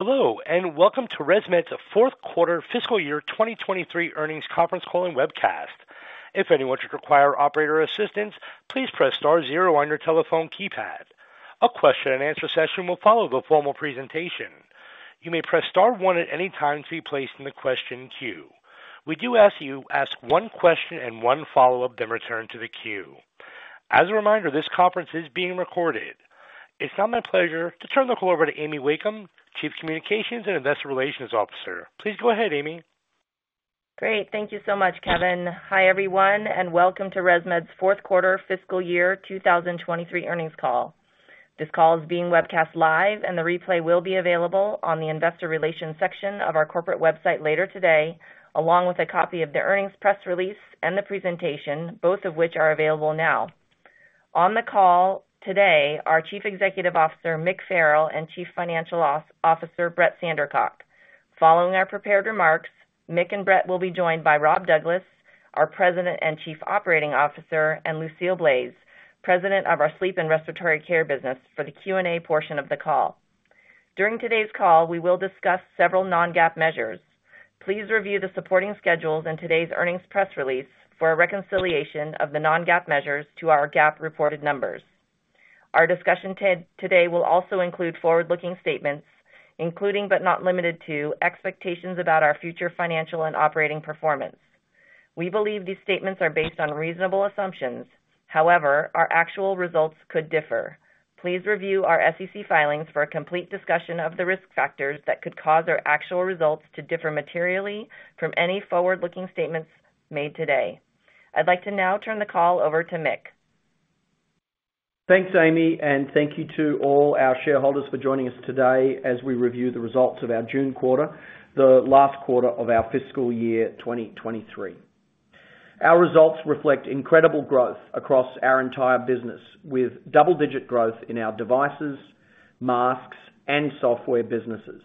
Hello, and welcome to ResMed's fourth quarter fiscal year 2023 earnings conference call and webcast. If anyone should require operator assistance, please press star zero on your telephone keypad. A question and answer session will follow the formal presentation. You may press star one at any time to be placed in the question queue. We do ask you, ask one question and one follow up, then return to the queue. As a reminder, this conference is being recorded. It's now my pleasure to turn the call over to Amy Wakeham, Chief Communications and Investor Relations Officer. Please go ahead, Amy. Great, thank you so much, Kevin. Hi, everyone, welcome to ResMed's fourth quarter fiscal year 2023 earnings call. This call is being webcast live, and the replay will be available on the investor relations section of our corporate website later today, along with a copy of the earnings press release and the presentation, both of which are available now. On the call today, our Chief Executive Officer, Mick Farrell, and Chief Financial Officer, Brett Sandercock. Following our prepared remarks, Mick and Brett will be joined by Rob Douglas, our President and Chief Operating Officer, and Lucélia Bizaoui, President of our Sleep and Respiratory Care Business, for the Q&A portion of the call. During today's call, we will discuss several non-GAAP measures. Please review the supporting schedules in today's earnings press release for a reconciliation of the non-GAAP measures to our GAAP reported numbers. Our discussion today will also include forward looking statements, including but not limited to, expectations about our future financial and operating performance. We believe these statements are based on reasonable assumptions. However, our actual results could differ. Please review our SEC filings for a complete discussion of the risk factors that could cause our actual results to differ materially from any forward looking statements made today. I'd like to now turn the call over to Mick. Thanks, Amy Wakeham, thank you to all our shareholders for joining us today as we review the results of our June quarter, the last quarter of our fiscal year 2023. Our results reflect incredible growth across our entire business, with double-digit growth in our devices, masks, and software businesses.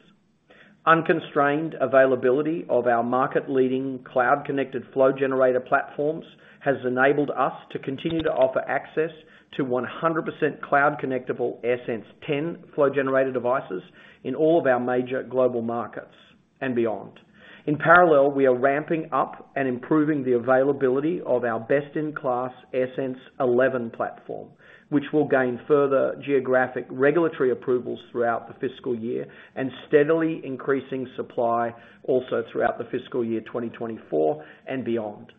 Unconstrained availability of our market leading cloud connected flow generator platforms has enabled us to continue to offer access to 100% cloud connectable AirSense 10 flow generator devices in all of our major global markets and beyond. In parallel, we are ramping up and improving the availability of our best-in-class AirSense 11 platform, which will gain further geographic regulatory approvals throughout the fiscal year, and steadily increasing supply also throughout the fiscal year 2024 and beyond.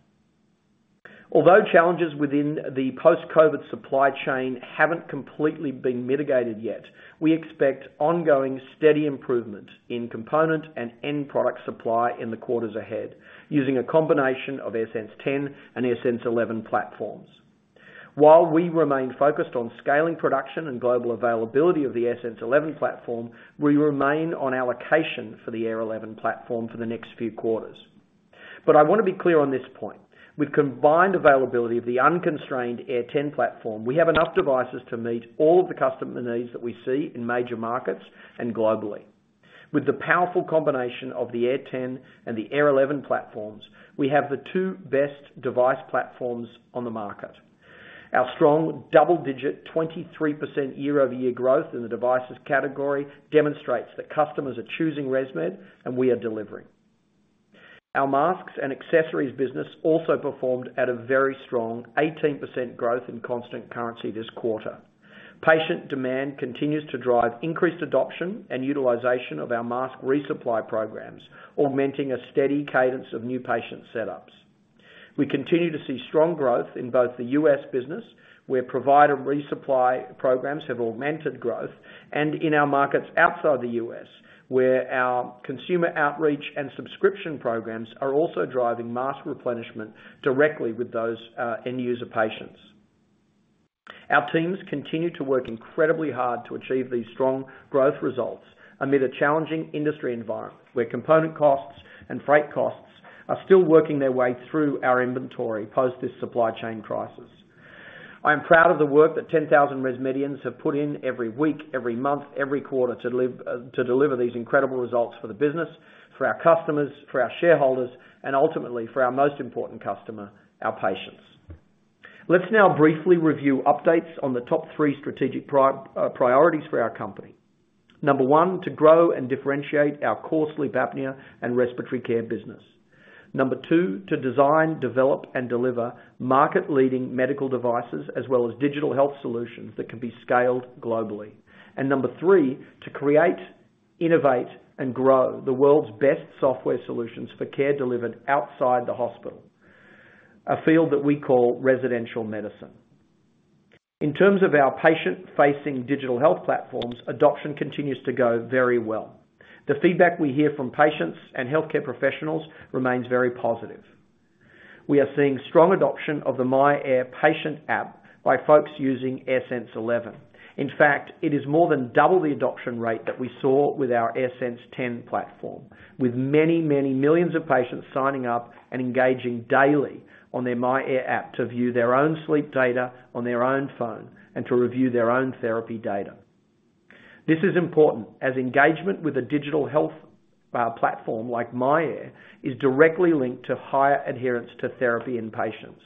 Although challenges within the post-COVID supply chain haven't completely been mitigated yet, we expect ongoing, steady improvement in component and end product supply in the quarters ahead, using a combination of AirSense 10 and AirSense 11 platforms. While we remain focused on scaling production and global availability of the AirSense 11 platform, we remain on allocation for the Air 11 platform for the next few quarters. I want to be clear on this point, with combined availability of the unconstrained Air ten platform, we have enough devices to meet all of the customer needs that we see in major markets and globally. With the powerful combination of the Air ten and the Air 11 platforms, we have the two best device platforms on the market. Our strong double digit, 23% year-over-year growth in the devices category demonstrates that customers are choosing ResMed, and we are delivering. Our masks and accessories business also performed at a very strong 18% growth in constant currency this quarter. Patient demand continues to drive increased adoption and utilization of our mask resupply programs, augmenting a steady cadence of new patient setups. We continue to see strong growth in both the US business, where provider resupply programs have augmented growth, and in our markets outside the US, where our consumer outreach and subscription programs are also driving mask replenishment directly with those end user patients. Our teams continue to work incredibly hard to achieve these strong growth results amid a challenging industry environment, where component costs and freight costs are still working their way through our inventory, post this supply chain crisis. I am proud of the work that 10,000 ResMedians have put in every week, every month, every quarter, to liv- to deliver these incredible results for the business, for our customers, for our shareholders, and ultimately, for our most important customer, our patients. Let's now briefly review updates on the top three strategic prio- priorities for our company. Number one, to grow and differentiate our core sleep apnea and respiratory care business. Number two, to design, develop, and deliver market-leading medical devices, as well as digital health solutions that can be scaled globally. Number three, to create, innovate, and grow the world's best software solutions for care delivered outside the hospital, a field that we call residential medicine. In terms of our patient-facing digital health platforms, adoption continues to go very well. The feedback we hear from patients and healthcare professionals remains very positive. We are seeing strong adoption of the myAir patient app by folks using AirSense 11. In fact, it is more than double the adoption rate that we saw with our AirSense 10 platform, with many, many millions of patients signing up and engaging daily on their myAir app to view their own sleep data on their own phone and to review their own therapy data. This is important, as engagement with a digital health platform like myAir is directly linked to higher adherence to therapy in patients.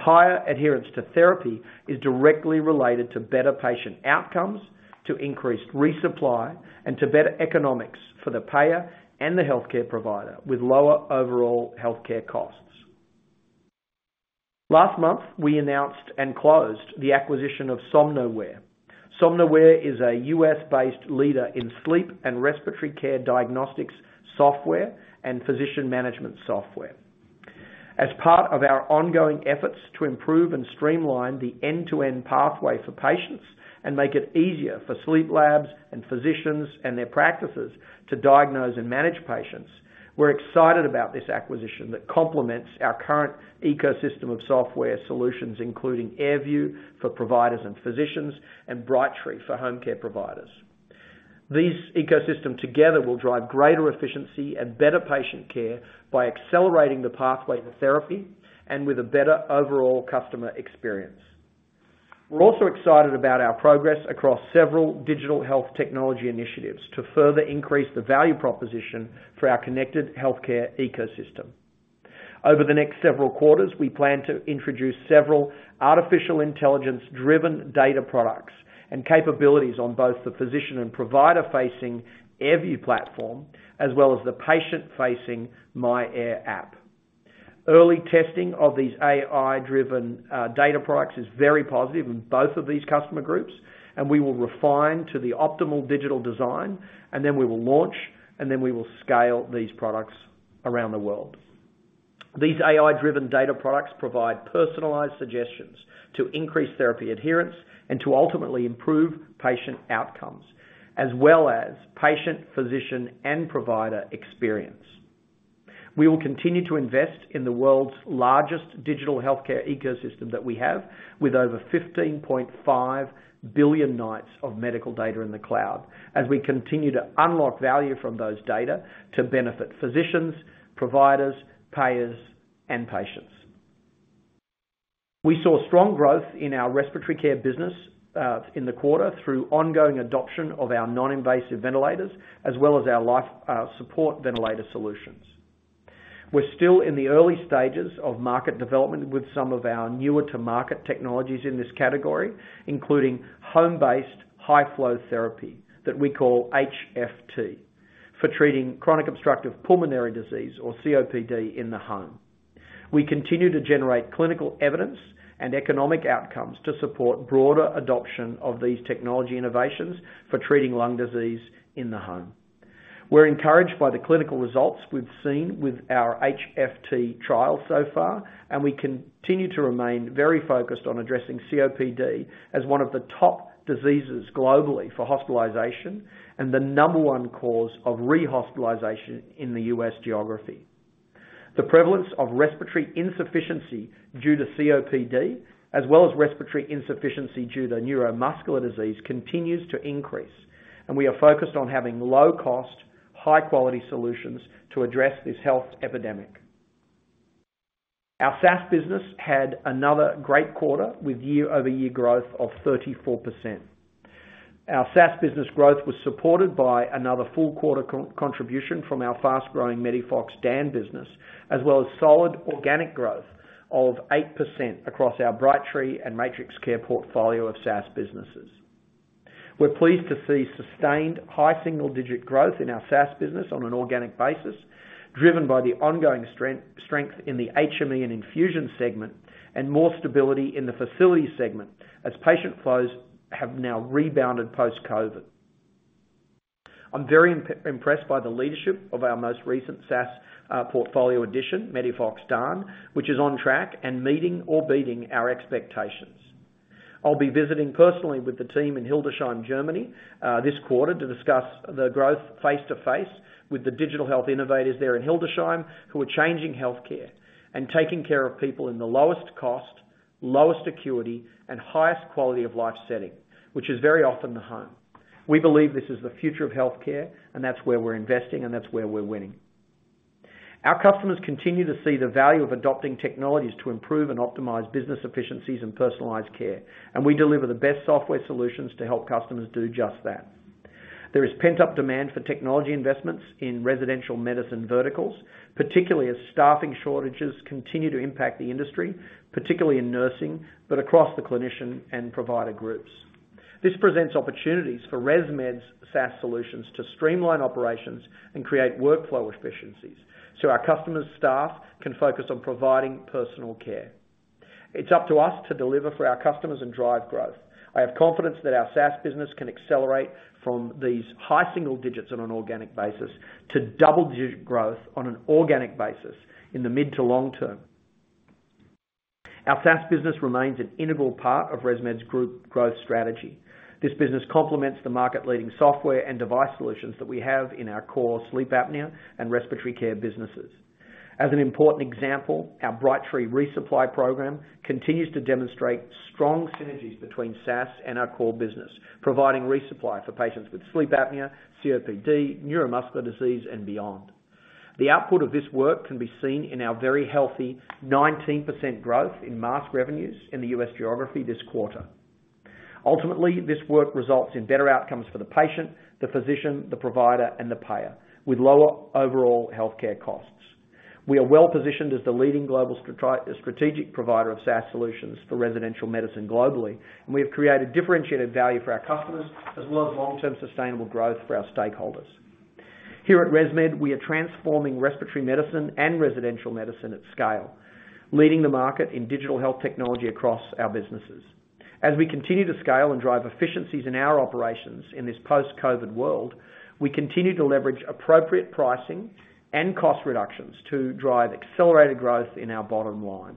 Higher adherence to therapy is directly related to better patient outcomes, to increased resupply, and to better economics for the payer and the healthcare provider, with lower overall healthcare costs. Last month, we announced and closed the acquisition of Somnoware. Somnoware is a US-based leader in sleep and respiratory care diagnostics, software, and physician management software. As part of our ongoing efforts to improve and streamline the end-to-end pathway for patients, and make it easier for sleep labs and physicians and their practices to diagnose and manage patients, we're excited about this acquisition that complements our current ecosystem of software solutions, including AirView for providers and physicians, and Brightree for home care providers. These ecosystem together will drive greater efficiency and better patient care by accelerating the pathway to therapy and with a better overall customer experience. We're also excited about our progress across several digital health technology initiatives to further increase the value proposition for our connected healthcare ecosystem. Over the next several quarters, we plan to introduce several artificial intelligence-driven data products and capabilities on both the physician and provider-facing AirView platform, as well as the patient-facing myAir app. Early testing of these AI-driven data products is very positive in both of these customer groups, and we will refine to the optimal digital design, and then we will launch, and then we will scale these products around the world. These AI-driven data products provide personalized suggestions to increase therapy adherence and to ultimately improve patient outcomes, as well as patient, physician, and provider experience. We will continue to invest in the world's largest digital healthcare ecosystem that we have, with over 15.5 billion nights of medical data in the cloud, as we continue to unlock value from those data to benefit physicians, providers, payers, and patients. We saw strong growth in our respiratory care business in the quarter through ongoing adoption of our non-invasive ventilators, as well as our life support ventilator solutions. We're still in the early stages of market development with some of our newer-to-market technologies in this category, including home-based high flow therapy that we call HFT, for treating chronic obstructive pulmonary disease or COPD in the home. We continue to generate clinical evidence and economic outcomes to support broader adoption of these technology innovations for treating lung disease in the home. We're encouraged by the clinical results we've seen with our HFT trial so far, and we continue to remain very focused on addressing COPD as one of the top diseases globally for hospitalization, and the number one cause of rehospitalization in the US geography. The prevalence of respiratory insufficiency due to COPD, as well as respiratory insufficiency due to neuromuscular disease, continues to increase, and we are focused on having low-cost, high-quality solutions to address this health epidemic. Our SaaS business had another great quarter with year-over-year growth of 34%. Our SaaS business growth was supported by another full quarter contribution from our fast-growing MEDIFOX DAN business, as well as solid organic growth of 8% across our Brightree and MatrixCare portfolio of SaaS businesses. We're pleased to see sustained high single-digit growth in our SaaS business on an organic basis, driven by the ongoing strength in the HME and infusion segment, and more stability in the facility segment as patient flows have now rebounded post-COVID. I'm very impressed by the leadership of our most recent SaaS portfolio addition, MEDIFOX DAN, which is on track and meeting or beating our expectations. I'll be visiting personally with the team in Hildesheim, Germany, this quarter to discuss the growth face-to-face with the digital health innovators there in Hildesheim, who are changing healthcare and taking care of people in the lowest cost, lowest acuity, and highest quality of life setting, which is very often the home. We believe this is the future of healthcare, and that's where we're investing, and that's where we're winning. Our customers continue to see the value of adopting technologies to improve and optimize business efficiencies and personalized care, and we deliver the best software solutions to help customers do just that. There is pent-up demand for technology investments in residential medicine verticals, particularly as staffing shortages continue to impact the industry, particularly in nursing, but across the clinician and provider groups. This presents opportunities for ResMed's SaaS solutions to streamline operations and create workflow efficiencies, so our customers' staff can focus on providing personal care. It's up to us to deliver for our customers and drive growth. I have confidence that our SaaS business can accelerate from these high single digits on an organic basis to double-digit growth on an organic basis in the mid to long term. Our SaaS business remains an integral part of ResMed's group growth strategy. This business complements the market-leading software and device solutions that we have in our core sleep apnea and respiratory care businesses. As an important example, our Brightree resupply program continues to demonstrate strong synergies between SaaS and our core business, providing resupply for patients with sleep apnea, COPD, neuromuscular disease, and beyond. The output of this work can be seen in our very healthy 19% growth in mask revenues in the US geography this quarter. Ultimately, this work results in better outcomes for the patient, the physician, the provider, and the payer, with lower overall healthcare costs. We are well positioned as the leading global strategic provider of SaaS solutions for residential medicine globally, and we have created differentiated value for our customers, as well as long-term sustainable growth for our stakeholders. Here at ResMed, we are transforming respiratory medicine and residential medicine at scale, leading the market in digital health technology across our businesses. As we continue to scale and drive efficiencies in our operations in this post-COVID world, we continue to leverage appropriate pricing and cost reductions to drive accelerated growth in our bottom line.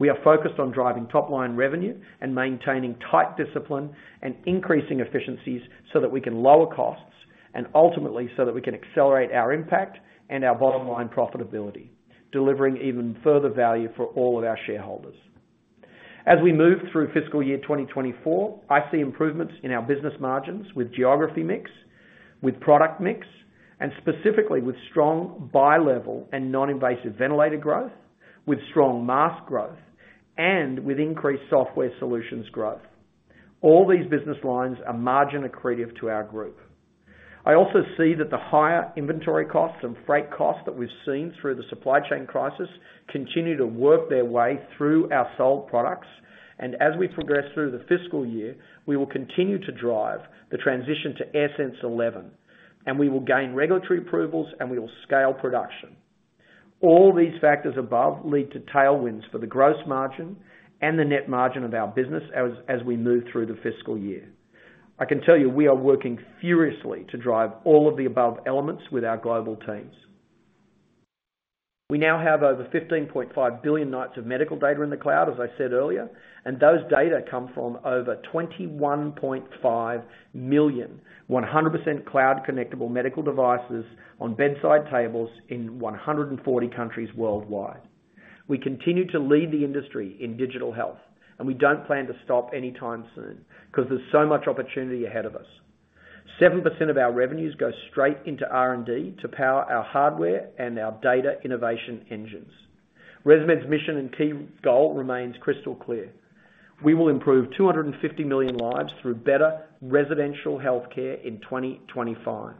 We are focused on driving top line revenue and maintaining tight discipline and increasing efficiencies so that we can lower costs, and ultimately, so that we can accelerate our impact and our bottom line profitability, delivering even further value for all of our shareholders. As we move through fiscal year 2024, I see improvements in our business margins with geography mix, with product mix, and specifically with strong bilevel and non-invasive ventilator growth, with strong mask growth, and with increased software solutions growth. All these business lines are margin accretive to our group. I also see that the higher inventory costs and freight costs that we've seen through the supply chain crisis, continue to work their way through our sold products. As we progress through the fiscal year, we will continue to drive the transition to AirSense 11, and we will gain regulatory approvals, and we will scale production. All these factors above lead to tailwinds for the gross margin and the net margin of our business as we move through the fiscal year. I can tell you, we are working furiously to drive all of the above elements with our global teams. We now have over 15.5 billion nights of medical data in the cloud, as I said earlier, and those data come from over 21.5 million, 100% cloud connectable medical devices on bedside tables in 140 countries worldwide. We continue to lead the industry in digital health, and we don't plan to stop anytime soon, 'cause there's so much opportunity ahead of us. 7% of our revenues go straight into R&D to power our hardware and our data innovation engines. ResMed's mission and key goal remains crystal clear: We will improve 250 million lives through better residential healthcare in 2025.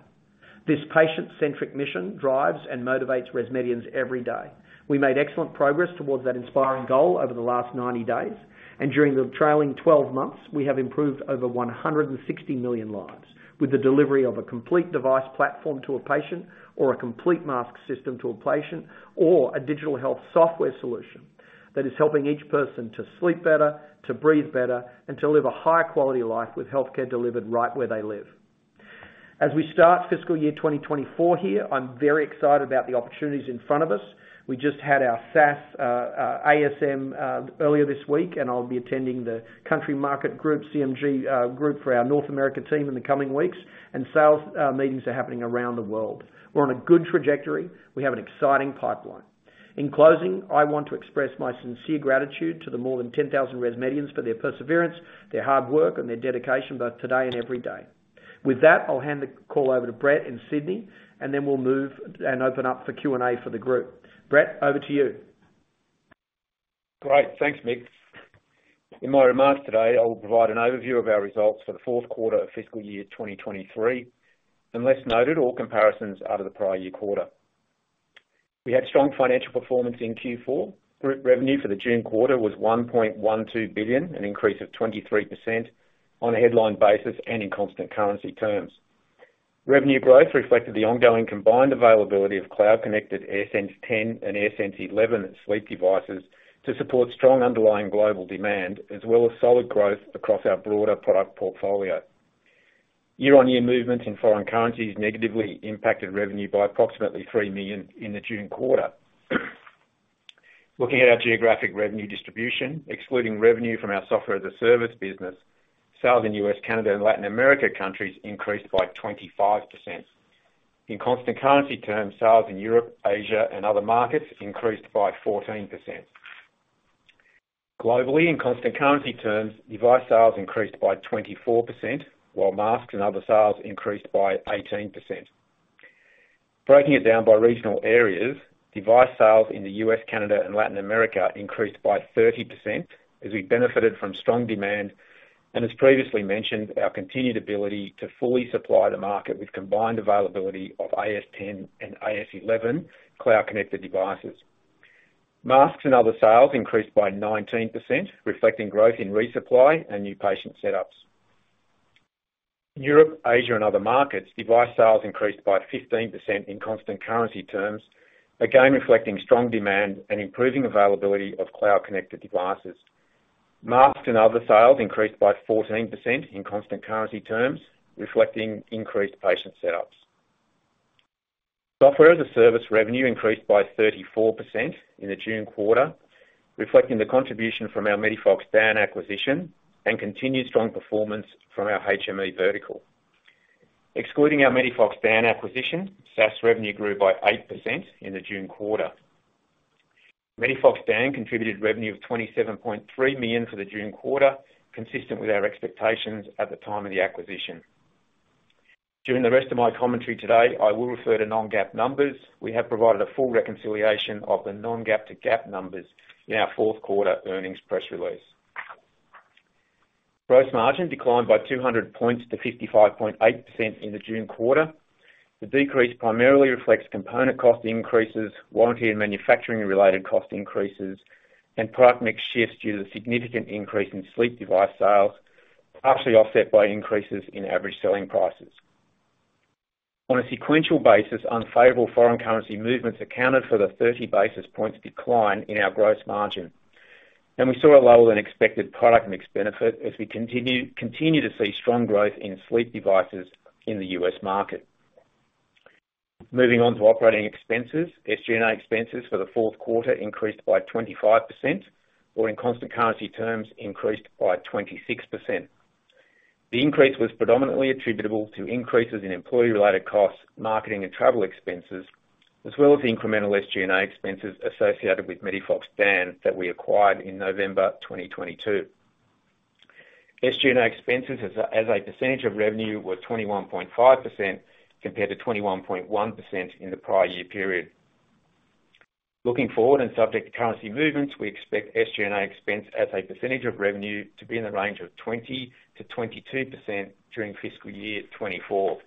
This patient-centric mission drives and motivates ResMedians every day. We made excellent progress towards that inspiring goal over the last 90 days, and during the trailing 12 months, we have improved over 160 million lives, with the delivery of a complete device platform to a patient, or a complete mask system to a patient, or a digital health software solution that is helping each person to sleep better, to breathe better, and to live a higher quality life with healthcare delivered right where they live. As we start fiscal year 2024 here, I'm very excited about the opportunities in front of us. We just had our SaaS, ASM, earlier this week. I'll be attending the Country Market Group, CMG group for our North America team in the coming weeks. Sales meetings are happening around the world. We're on a good trajectory. We have an exciting pipeline. In closing, I want to express my sincere gratitude to the more than 10,000 ResMedians for their perseverance, their hard work, and their dedication, both today and every day. With that, I'll hand the call over to Brett in Sydney, and then we'll move and open up for Q&A for the group. Brett, over to you. Great. Thanks, Mick. In my remarks today, I will provide an overview of our results for the fourth quarter of fiscal year 2023. Unless noted, all comparisons are to the prior year quarter. We had strong financial performance in Q4. Group revenue for the June quarter was $1.12 billion, an increase of 23% on a headline basis and in constant currency terms. Revenue growth reflected the ongoing combined availability of cloud-connected AirSense 10 and AirSense 11 sleep devices to support strong underlying global demand, as well as solid growth across our broader product portfolio. Year-on-year movements in foreign currencies negatively impacted revenue by approximately $3 million in the June quarter. Looking at our geographic revenue distribution, excluding revenue from our software-as-a-service business, sales in U.S., Canada, and Latin America countries increased by 25%. In constant currency terms, sales in Europe, Asia, and other markets increased by 14%. Globally, in constant currency terms, device sales increased by 24%, while masks and other sales increased by 18%. Breaking it down by regional areas, device sales in the U.S., Canada, and Latin America increased by 30% as we benefited from strong demand, and as previously mentioned, our continued ability to fully supply the market with combined availability of AirSense 10 and AirSense 11 cloud-connected devices. Masks and other sales increased by 19%, reflecting growth in resupply and new patient setups. Europe, Asia, and other markets, device sales increased by 15% in constant currency terms again, reflecting strong demand and improving availability of cloud-connected devices. Masks and other sales increased by 14% in constant currency terms, reflecting increased patient setups. Software-as-a-service revenue increased by 34% in the June quarter, reflecting the contribution from our MEDIFOX DAN acquisition and continued strong performance from our HME vertical. Excluding our MEDIFOX DAN acquisition, SaaS revenue grew by 8% in the June quarter. MEDIFOX DAN contributed revenue of $27.3 million for the June quarter, consistent with our expectations at the time of the acquisition. During the rest of my commentary today, I will refer to non-GAAP numbers. We have provided a full reconciliation of the non-GAAP to GAAP numbers in our fourth quarter earnings press release. Gross margin declined by 200 points to 55.8% in the June quarter. The decrease primarily reflects component cost increases, warranty and manufacturing-related cost increases, and product mix shifts due to the significant increase in sleep device sales, partially offset by increases in average selling prices. On a sequential basis, unfavorable foreign currency movements accounted for the 30 basis points decline in our gross margin, and we saw a lower than expected product mix benefit as we continue, continue to see strong growth in sleep devices in the U.S. market. Moving on to operating expenses. SG&A expenses for the fourth quarter increased by 25%, or in constant currency terms, increased by 26%. The increase was predominantly attributable to increases in employee related costs, marketing and travel expenses, as well as incremental SG&A expenses associated with MEDIFOX DAN that we acquired in November 2022. SG&A expenses as a, as a percentage of revenue were 21.5% compared to 21.1% in the prior year period. Looking forward and subject to currency movements, we expect SG&A expense as a percentage of revenue to be in the range of 20%-22% during fiscal year 2024.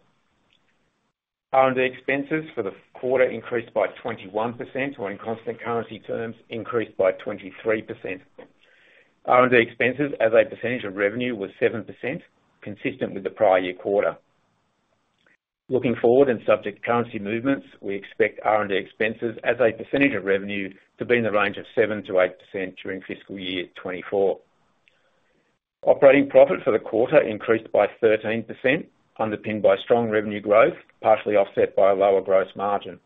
R&D expenses for the quarter increased by 21%, or in constant currency terms, increased by 23%. R&D expenses as a percentage of revenue was 7%, consistent with the prior year quarter. Looking forward and subject to currency movements, we expect R&D expenses as a percentage of revenue to be in the range of 7%-8% during fiscal year 2024. Operating profit for the quarter increased by 13%, underpinned by strong revenue growth, partially offset by a lower gross margin.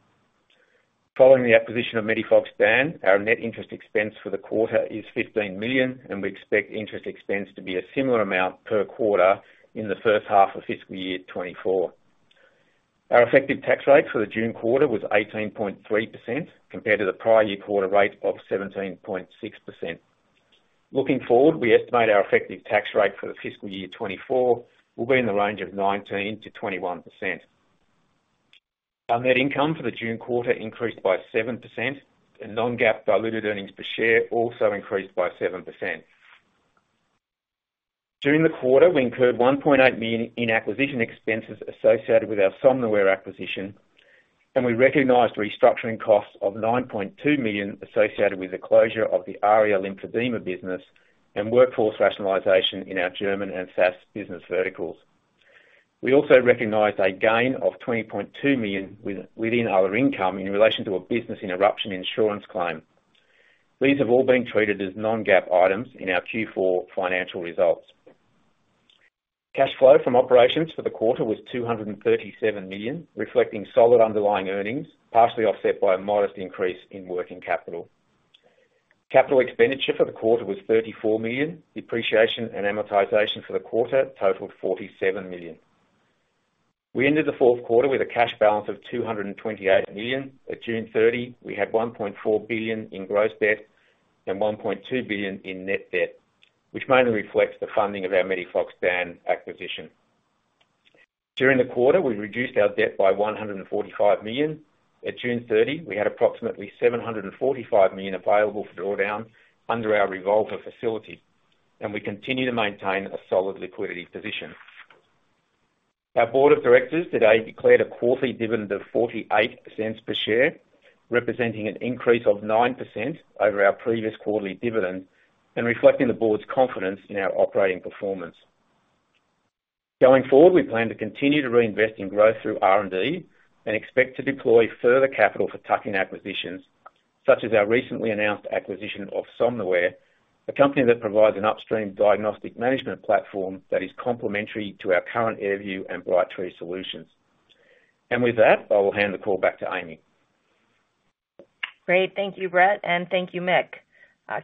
Following the acquisition of MEDIFOX DAN, our net interest expense for the quarter is $15 million, and we expect interest expense to be a similar amount per quarter in the first half of fiscal year 2024. Our effective tax rate for the June quarter was 18.3% compared to the prior year quarter rate of 17.6%. Looking forward, we estimate our effective tax rate for the fiscal year 2024 will be in the range of 19%-21%. Our net income for the June quarter increased by 7%, and non-GAAP diluted earnings per share also increased by 7%. During the quarter, we incurred $1.8 million in acquisition expenses associated with our Somnoware acquisition. We recognized restructuring costs of $9.2 million associated with the uncertain in our German and SaaS business verticals. We also recognized a gain of $20.2 million within our income in relation to a business interruption insurance claim. These have all been treated as non-GAAP items in our Q4 financial results. Cash flow from operations for the quarter was $237 million, reflecting solid underlying earnings, partially offset by a modest increase in working capital. Capital expenditure for the quarter was $34 million. Depreciation and amortization for the quarter totaled $47 million. We ended the fourth quarter with a cash balance of $228 million. At June 30, we had $1.4 billion in gross debt and $1.2 billion in net debt, which mainly reflects the funding of our MEDIFOX DAN acquisition. During the quarter, we reduced our debt by $145 million. At June 30, we had approximately $745 million available for drawdown under our revolver facility, and we continue to maintain a solid liquidity position. Our board of directors today declared a quarterly dividend of $0.48 per share, representing an increase of 9% over our previous quarterly dividend and reflecting the board's confidence in our operating performance. Going forward, we plan to continue to reinvest in growth through R&D and expect to deploy further capital for tuck-in acquisitions, such as our recently announced acquisition of Somnoware, a company that provides an upstream diagnostic management platform that is complementary to our current AirView and Brightree solutions. With that, I will hand the call back to Amy. Great. Thank you, Brett, and thank you, Mick.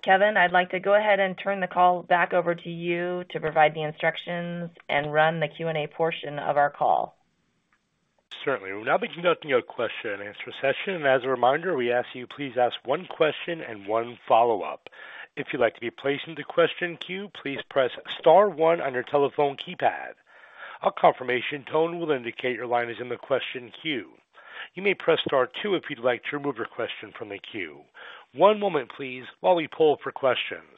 Kevin, I'd like to go ahead and turn the call back over to you to provide the instructions and run the Q&A portion of our call. Certainly, we'll now be conducting a question and answer session. As a reminder, we ask you please ask one question and one follow-up. If you'd like to be placed into question queue, please press star one on your telephone keypad. A confirmation tone will indicate your line is in the question queue. You may press star two if you'd like to remove your question from the queue. One moment, please, while we pull for questions.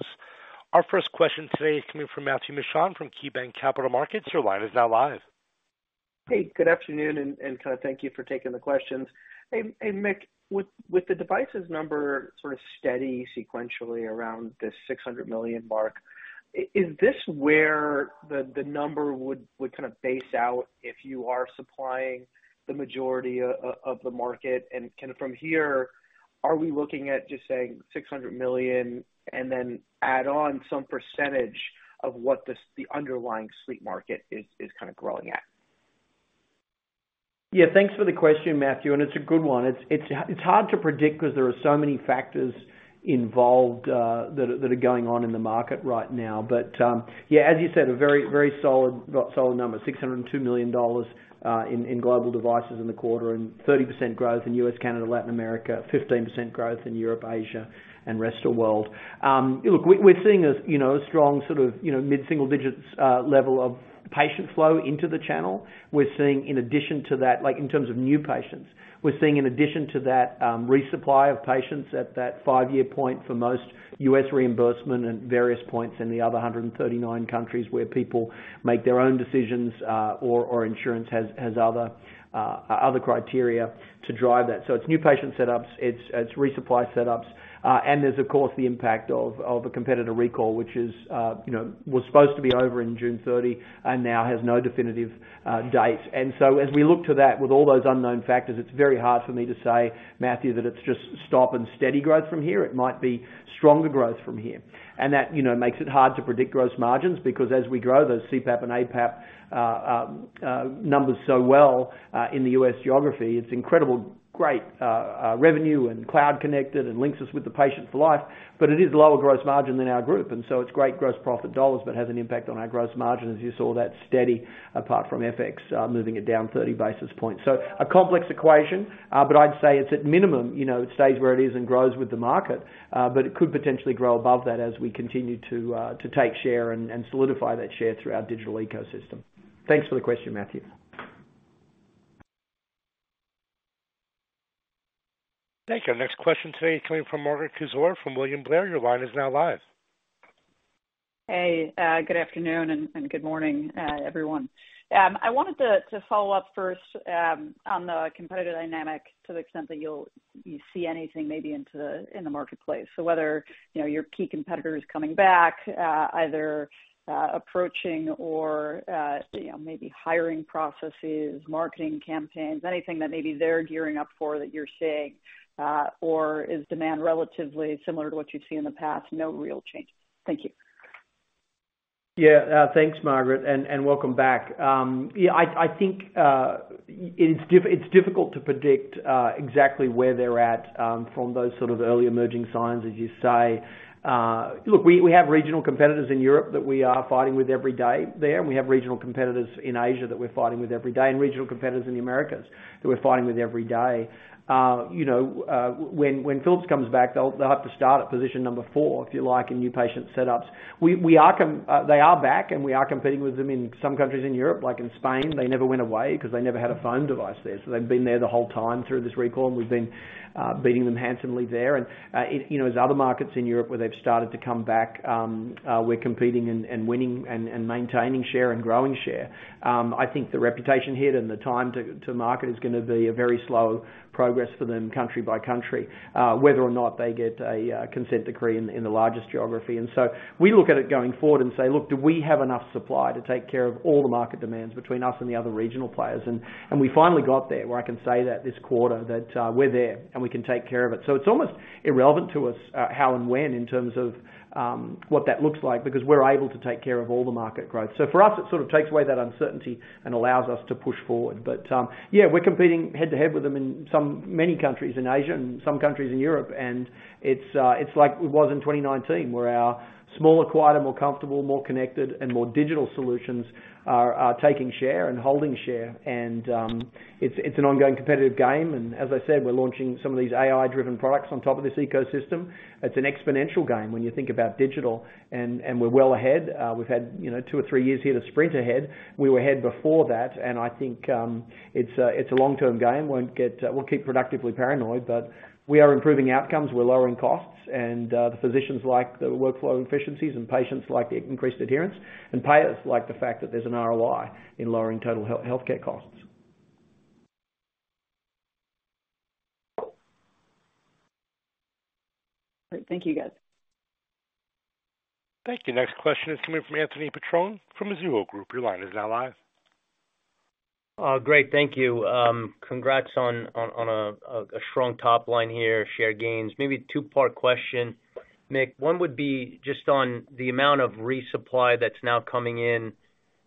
Our first question today is coming from Matthew Mishan from KeyBanc Capital Markets. Your line is now live. Hey, good afternoon, thank you for taking the questions. Mick, with the devices number sort of steady sequentially around the $600 million mark, is this where the number would kind of base out if you are supplying the majority of the market? From here, are we looking at just saying $600 million and then add on some percentage of what the underlying sleep market is growing at? Yeah, thanks for the question, Matthew. It's a good one. It's, it's, it's hard to predict because there are so many factors involved, that are, that are going on in the market right now. Yeah, as you said, a very, very solid, solid number, $602 million in, in global devices in the quarter. 30% growth in US, Canada, Latin America, 15% growth in Europe, Asia, and rest of world. Look, we're seeing a, you know, a strong sort of, you know, mid-single digits level of patient flow into the channel. We're seeing in addition to that, like, in terms of new patients, we're seeing in addition to that, resupply of patients at that five-year point for most U.S. reimbursement and various points in the other 139 countries where people make their own decisions, or, or insurance has, has other, other criteria to drive that. It's new patient setups, it's, it's resupply setups, and there's, of course, the impact of, of a competitor recall, which is, you know, was supposed to be over in June 30, and now has no definitive date. As we look to that, with all those unknown factors, it's very hard for me to say, Matthew, that it's just stop and steady growth from here. It might be stronger growth from here. That, you know, makes it hard to predict gross margins, because as we grow those CPAP and APAP numbers so well, in the US geography, it's incredible, great revenue and cloud connected and links us with the patient for life, but it is lower gross margin than our group. It's great gross profit dollars, but has an impact on our gross margin, as you saw that steady, apart from FX, moving it down 30 basis points. A complex equation, but I'd say it's at minimum, you know, it stays where it is and grows with the market, but it could potentially grow above that as we continue to take share and solidify that share through our digital ecosystem. Thanks for the question, Matthew. Thank you. Next question today coming from Margaret Kaczor from William Blair. Your line is now live. Hey, good afternoon and good morning, everyone. I wanted to follow up first on the competitive dynamic, to the extent that you see anything maybe into the, in the marketplace. Whether, you know, your key competitor is coming back, either approaching or, you know, maybe hiring processes, marketing campaigns, anything that maybe they're gearing up for that you're seeing, or is demand relatively similar to what you've seen in the past? No real change. Thank you. Yeah, thanks, Margaret, and welcome back. Yeah, I think it's difficult to predict exactly where they're at from those sort of early emerging signs, as you say. Look, we have regional competitors in Europe that we are fighting with every day there, and we have regional competitors in Asia that we're fighting with every day, and regional competitors in the Americas that we're fighting with every day. You know, when Philips comes back, they'll have to start at position number four, if you like, in new patient setups. They are back, and we are competing with them in some countries in Europe, like in Spain. They never went away because they never had a phone device there. They've been there the whole time through this recall, and we've been beating them handsomely there. You know, as other markets in Europe where they've started to come back, we're competing and, and winning and, and maintaining share and growing share. I think the reputation hit and the time to, to market is gonna be a very slow progress for them, country by country, whether or not they get a consent decree in, in the largest geography. We look at it going forward and say: Look, do we have enough supply to take care of all the market demands between us and the other regional players? We finally got there, where I can say that this quarter, that we're there, and we can take care of it. It's almost irrelevant to us how and when, in terms of what that looks like, because we're able to take care of all the market growth. For us, it sort of takes away that uncertainty and allows us to push forward. Yeah, we're competing head-to-head with them in some many countries in Asia and some countries in Europe, and it's like it was in 2019, where our smaller, quieter, more comfortable, more connected and more digital solutions are taking share and holding share. It's an ongoing competitive game. As I said, we're launching some of these AI-driven products on top of this ecosystem. It's an exponential game when you think about digital, and, and we're well ahead. We've had, you know, two or three years here to sprint ahead. We were ahead before that, and I think, it's a, it's a long-term game. We'll get, we'll keep productively paranoid, but we are improving outcomes, we're lowering costs, and the physicians like the workflow efficiencies, and patients like the increased adherence, and payers like the fact that there's an ROI in lowering total health, healthcare costs. Great. Thank you, guys. Thank you. Next question is coming from Anthony Petrone from the Mizuho Group. Your line is now live. Great, thank you. Congrats on a strong top line here, share gains. Maybe a two-part question, Nick. One would be just on the amount of resupply that's now coming in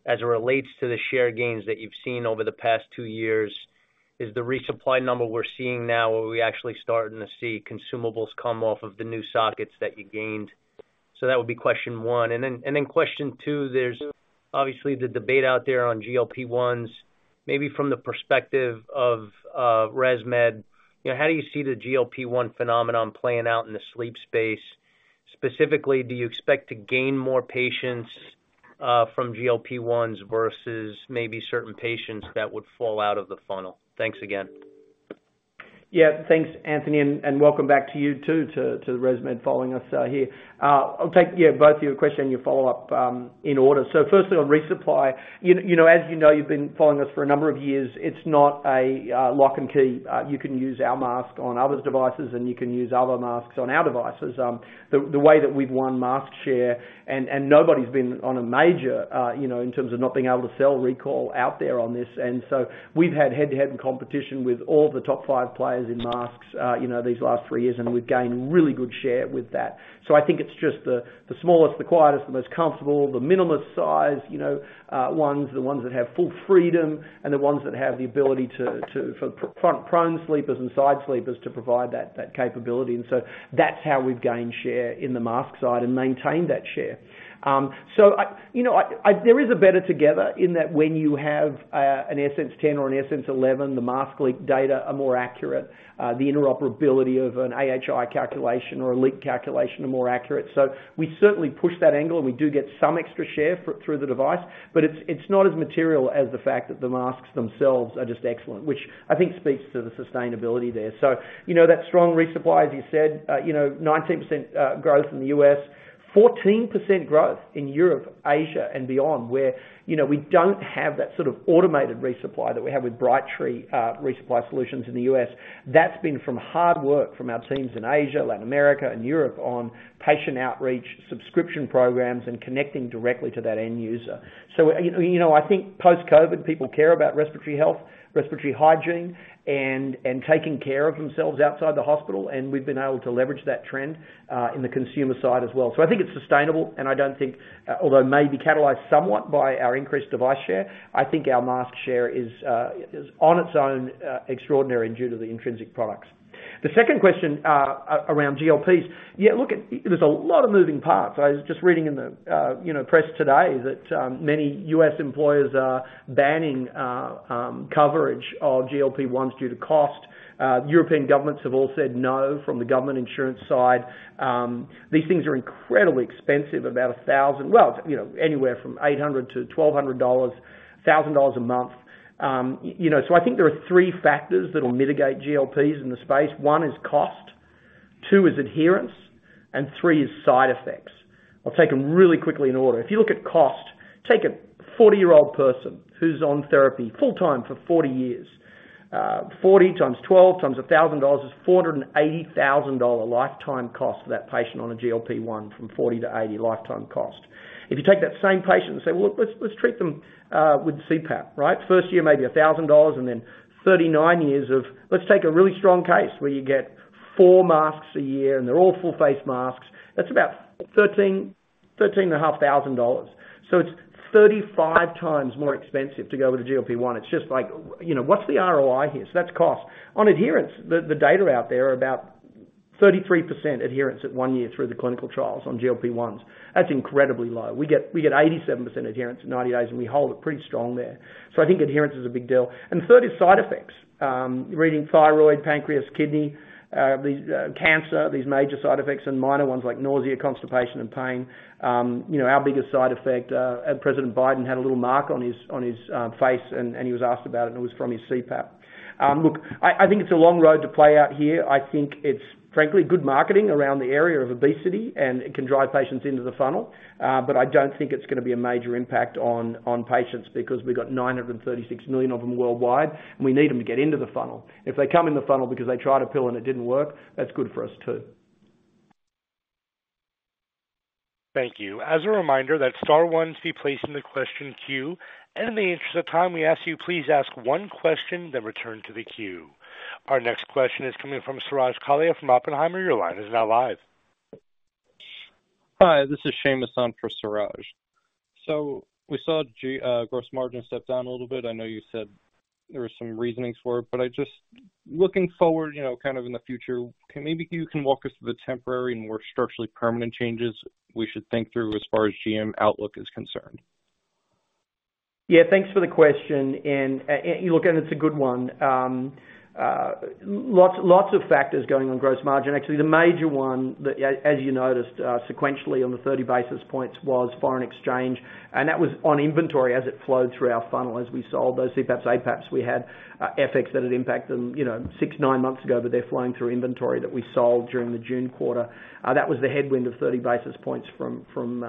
as it relates to the share gains that you've seen over the past two years. Is the resupply number we're seeing now, are we actually starting to see consumables come off of the new sockets that you gained? That would be question one. Then question two, there's obviously the debate out there on GLP-1s. Maybe from the perspective of ResMed, you know, how do you see the GLP-1 phenomenon playing out in the sleep space? Specifically, do you expect to gain more patients from GLP-1s versus maybe certain patients that would fall out of the funnel? Thanks again. Yeah, thanks, Anthony, and, and welcome back to you, too, to, to the ResMed following us, here. I'll take, yeah, both your question and your follow-up, in order. So firstly, on resupply, you know, you know, as you know, you've been following us for a number of years, it's not a, lock and key. You can use our mask on others' devices, and you can use other masks on our devices. The, the way that we've won mask share, and, and nobody's been on a major, you know, in terms of not being able to sell recall out there on this. So we've had head-to-head in competition with all the top five players in masks, you know, these last three years, and we've gained really good share with that. I think it's just the, the smallest, the quietest, the most comfortable, the minimalist size, you know, ones, the ones that have full freedom, and the ones that have the ability for front-- prone sleepers and side sleepers to provide that, that capability. That's how we've gained share in the mask side and maintained that share. I, you know, there is a better together in that when you have an AirSense 10 or an AirSense 11, the mask leak data are more accurate. The interoperability of an AHI calculation or a leak calculation are more accurate. We certainly push that angle, and we do get some extra share through the device, but it's, it's not as material as the fact that the masks themselves are just excellent, which I think speaks to the sustainability there. You know, that strong resupply, as you said, you know, 19% growth in the US, 14% growth in Europe, Asia, and beyond, where, you know, we don't have that sort of automated resupply that we have with Brightree resupply solutions in the US. That's been from hard work from our teams in Asia, Latin America, and Europe on patient outreach, subscription programs, and connecting directly to that end user. You know, I think post-COVID, people care about respiratory health, respiratory hygiene, and, and taking care of themselves outside the hospital, and we've been able to leverage that trend in the consumer side as well. I think it's sustainable, and I don't think, although it may be catalyzed somewhat by our increased device share, I think our mask share is on its own extraordinary due to the intrinsic products. The second question, around GLPs, yeah, look, there's a lot of moving parts. I was just reading in the, you know, press today that many U.S. employers are banning coverage of GLP-1s due to cost. European governments have all said no from the government insurance side. These things are incredibly expensive, about $1,000... Well, you know, anywhere from $800 to $1,200, $1,000 a month. I think there are 3 factors that will mitigate GLPs in the space. one is cost, two is adherence, and three is side effects. I'll take them really quickly in order. If you look at cost, take a 40-year-old person who's on therapy full-time for 40 years. 40 times 12 times $1,000 is $480,000 lifetime cost for that patient on a GLP-1, from 40 to 80 lifetime cost. If you take that same patient and say, "Well, let's, let's treat them with CPAP," right? First year, maybe $1,000, and then 39 years of... Let's take a really strong case where you get four masks a year, and they're all full face masks. That's about $13,500. It's 35x more expensive to go with a GLP-1. It's just like, you know, what's the ROI here? That's cost. On adherence, the data out there are about 33% adherence at 1 year through the clinical trials on GLP-1s. That's incredibly low. We get 87% adherence in 90 days, and we hold it pretty strong there. I think adherence is a big deal. Third is side effects. Reading thyroid, pancreas, kidney, these cancer, these major side effects and minor ones like nausea, constipation, and pain. You know, our biggest side effect, President Biden had a little mark on his, on his face, and he was asked about it, and it was from his CPAP. Look, I think it's a long road to play out here. I think it's frankly, good marketing around the area of obesity, and it can drive patients into the funnel. I don't think it's gonna be a major impact on patients because we've got 936 million of them worldwide, and we need them to get into the funnel. If they come in the funnel because they tried a pill and it didn't work, that's good for us, too. Thank you. As a reminder, that's star one to be placed in the question queue. In the interest of time, we ask you, please ask one question, then return to the queue. Our next question is coming from Suraj Kalia from Oppenheimer. Your line is now live. Hi, this is Seamus on for Suraj. We saw gross margin step down a little bit. I know you said there was some reasonings for it. Looking forward, you know, kind of in the future, can maybe you can walk us through the temporary and more structurally permanent changes we should think through as far as GM outlook is concerned? Yeah, thanks for the question, and look, and it's a good one. Lots, lots of factors going on gross margin. Actually, the major one that as, as you noticed, sequentially on the 30 basis points was foreign exchange, and that was on inventory as it flowed through our funnel. As we sold those CPAPs, APAPs, we had FX that had impacted them, you know, six, nine months ago, but they're flowing through inventory that we sold during the June quarter. That was the headwind of 30 basis points from, from,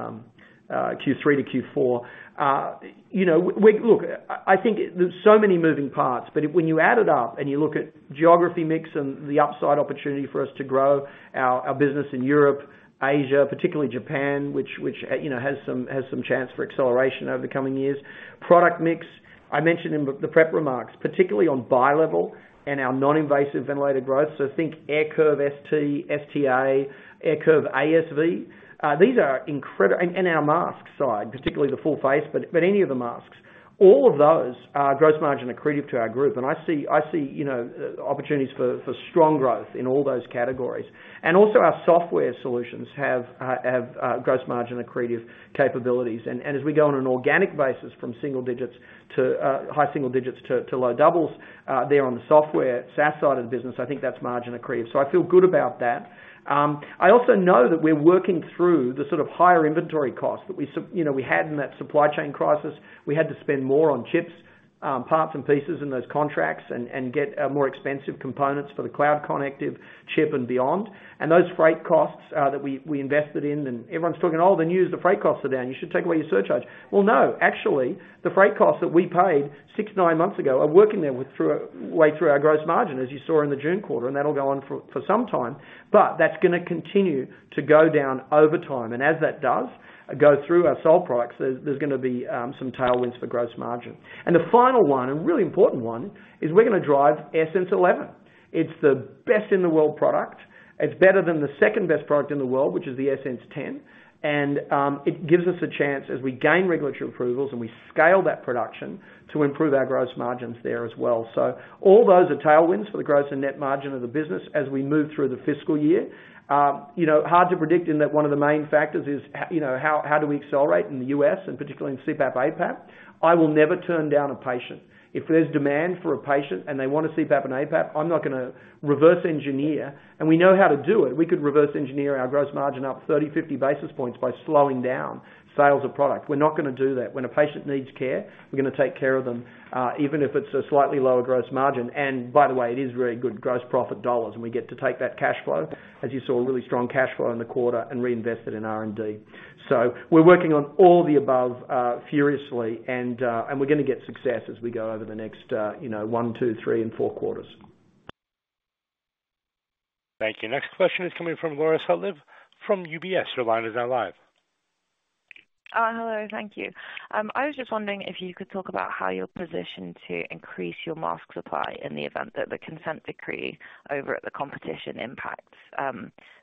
Q3 to Q4. You know, look, I, I think there's so many moving parts, but when you add it up and you look at geography mix and the upside opportunity for us to grow our, our business in Europe, Asia, particularly Japan, which, which, you know, has some, has some chance for acceleration over the coming years. Product mix, I mentioned in the, the prep remarks, particularly on bilevel and our non-invasive ventilator growth. Think AirCurve ST, ST-A, AirCurve ASV. These are incredible... And, and our mask side, particularly the full face, but, but any of the masks. All of those are gross margin accretive to our group, and I see, I see, you know, opportunities for, for strong growth in all those categories. Also, our software solutions have, have gross margin accretive capabilities. As we go on an organic basis from single digits to high single digits to low doubles, there on the software, SaaS side of the business, I think that's margin accretive. I feel good about that. I also know that we're working through the sort of higher inventory costs that we you know, we had in that supply chain crisis. We had to spend more on chips, parts and pieces in those contracts and get more expensive components for the cloud connective chip and beyond. Those freight costs that we, we invested in, everyone's talking, "Oh, the news, the freight costs are down. You should take away your surcharge." Well, no, actually, the freight costs that we paid six, nine months ago are working their way through our gross margin, as you saw in the June quarter, and that'll go on for some time. That's gonna continue to go down over time, and as that does, go through our sold products, there's gonna be some tailwinds for gross margin. The final one, and really important one, is we're gonna drive AirSense 11. It's the best in the world product. It's better than the second-best product in the world, which is the AirSense 10. It gives us a chance, as we gain regulatory approvals and we scale that production, to improve our gross margins there as well. All those are tailwinds for the gross and net margin of the business as we move through the fiscal year. You know, hard to predict in that one of the main factors is, you know, how, how do we accelerate in the US, and particularly in CPAP APAP? I will never turn down a patient. If there's demand for a patient, and they want a CPAP and APAP, I'm not gonna reverse engineer. We know how to do it. We could reverse engineer our gross margin up 30, 50 basis points by slowing down sales of product. We're not gonna do that. When a patient needs care, we're gonna take care of them, even if it's a slightly lower gross margin. By the way, it is very good gross profit dollars, and we get to take that cash flow, as you saw, really strong cash flow in the quarter, and reinvest it in R&D. We're working on all the above, furiously, and we're gonna get success as we go over the next, you know, one, two, three, and four quarters. Thank you. Next question is coming from Laura Sutcliffe from UBS. Your line is now live. Hello, thank you. I was just wondering if you could talk about how you're positioned to increase your mask supply in the event that the consent decree over at the competition impacts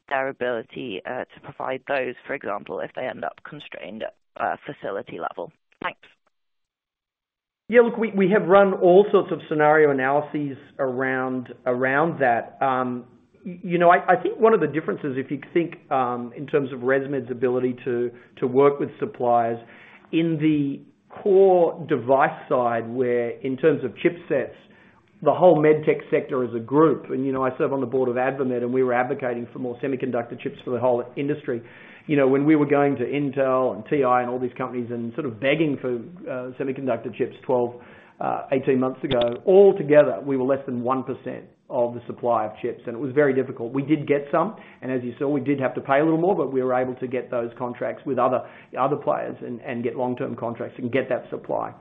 their ability to provide those, for example, if they end up constrained at facility level. Thanks. Yeah, look, we, we have run all sorts of scenario analyses around, around that. You know, I, I think one of the differences, if you think, in terms of ResMed's ability to, to work with suppliers, in the core device side, where in terms of chipsets, the whole med tech sector is a group. You know, I serve on the board of AdvaMed, and we were advocating for more semiconductor chips for the whole industry. You know, when we were going to Intel and TI and all these companies and sort of begging for semiconductor chips 12, 18 months ago, altogether, we were less than 1% of the supply of chips, and it was very difficult. We did get some, and as you saw, we did have to pay a little more, but we were able to get those contracts with other, other players and, and get long-term contracts and get that supply.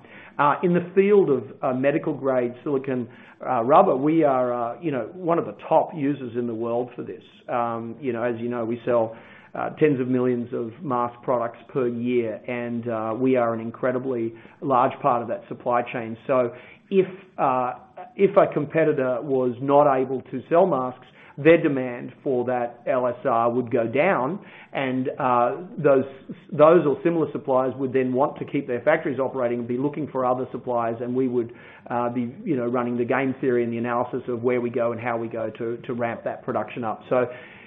In the field of medical-grade silicon rubber, we are, you know, one of the top users in the world for this. You know, as you know, we sell tens of millions of mask products per year, and we are an incredibly large part of that supply chain. If, if a competitor was not able to sell masks, their demand for that LSR would go down, and those, those or similar suppliers would then want to keep their factories operating and be looking for other suppliers, and we would, be, you know, running the game theory and the analysis of where we go and how we go to, to ramp that production up.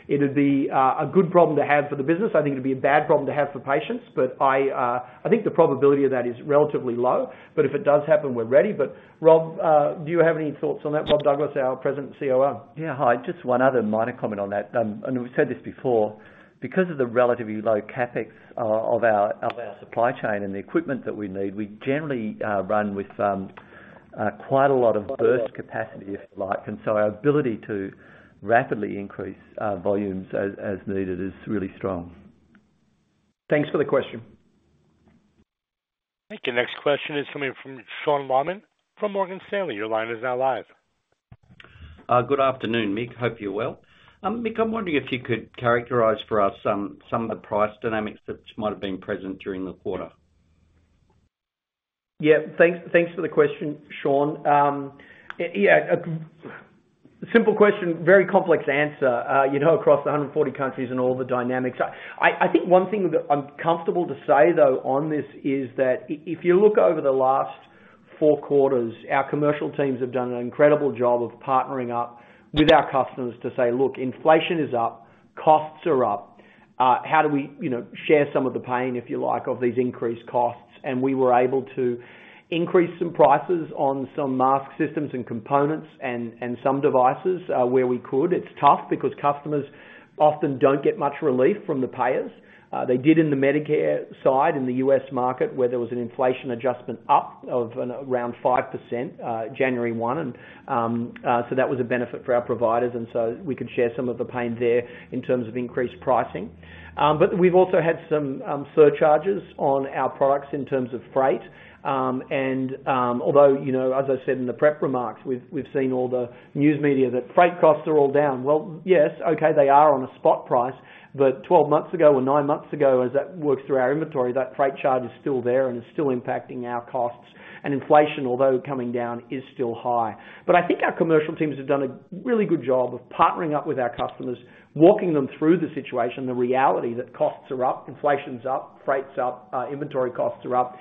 It'd be, a good problem to have for the business. I think it'd be a bad problem to have for patients, but I, I think the probability of that is relatively low, but if it does happen, we're ready. Rob, do you have any thoughts on that? Rob Douglas, our President and COO. Yeah. Hi, just one other minor comment on that. We've said this before, because of the relatively low CapEx of our, of our supply chain and the equipment that we need, we generally run with quite a lot of burst capacity, if you like, and so our ability to rapidly increase volumes as, as needed is really strong. Thanks for the question. Thank you. Next question is coming from Sean Wieland from Morgan Stanley. Your line is now live. Good afternoon, Mick. Hope you're well. Mick, I'm wondering if you could characterize for us some, some of the price dynamics that might have been present during the quarter? Yeah. Thanks, thanks for the question, Sean. Yeah, simple question, very complex answer, you know, across the 140 countries and all the dynamics. I, I think one thing that I'm comfortable to say, though, on this is that if you look over the last four quarters, our commercial teams have done an incredible job of partnering up with our customers to say: "Look, inflation is up, costs are up. How do we, you know, share some of the pain, if you like, of these increased costs?" We were able to increase some prices on some mask systems and components and, and some devices, where we could. It's tough because customers often don't get much relief from the payers. They did in the Medicare side, in the US market, where there was an inflation adjustment up of around 5%, January 1. That was a benefit for our providers, and so we could share some of the pain there in terms of increased pricing. We've also had some surcharges on our products in terms of freight. Although, you know, as I said in the prep remarks, we've, we've seen all the news media that freight costs are all down. Well, yes, okay, they are on a spot price, but 12 months ago or nine months ago, as that works through our inventory, that freight charge is still there and is still impacting our costs. Inflation, although coming down, is still high. I think our commercial teams have done a really good job of partnering up with our customers, walking them through the situation, the reality that costs are up, inflation's up, freight's up, inventory costs are up.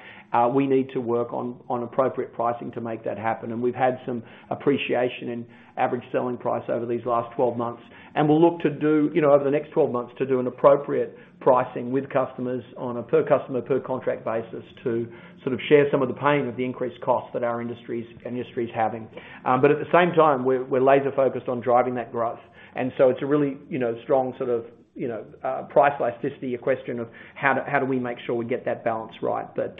We need to work on, on appropriate pricing to make that happen, and we've had some appreciation in average selling price over these last 12 months. We'll look to do, you know, over the next 12 months, to do an appropriate pricing with customers on a per customer, per contract basis, to sort of share some of the pain of the increased costs that our industry is and industry is having. At the same time, we're, we're laser focused on driving that growth, and so it's a really, you know, strong sort of, you know, price elasticity, a question of how do, how do we make sure we get that balance right? It,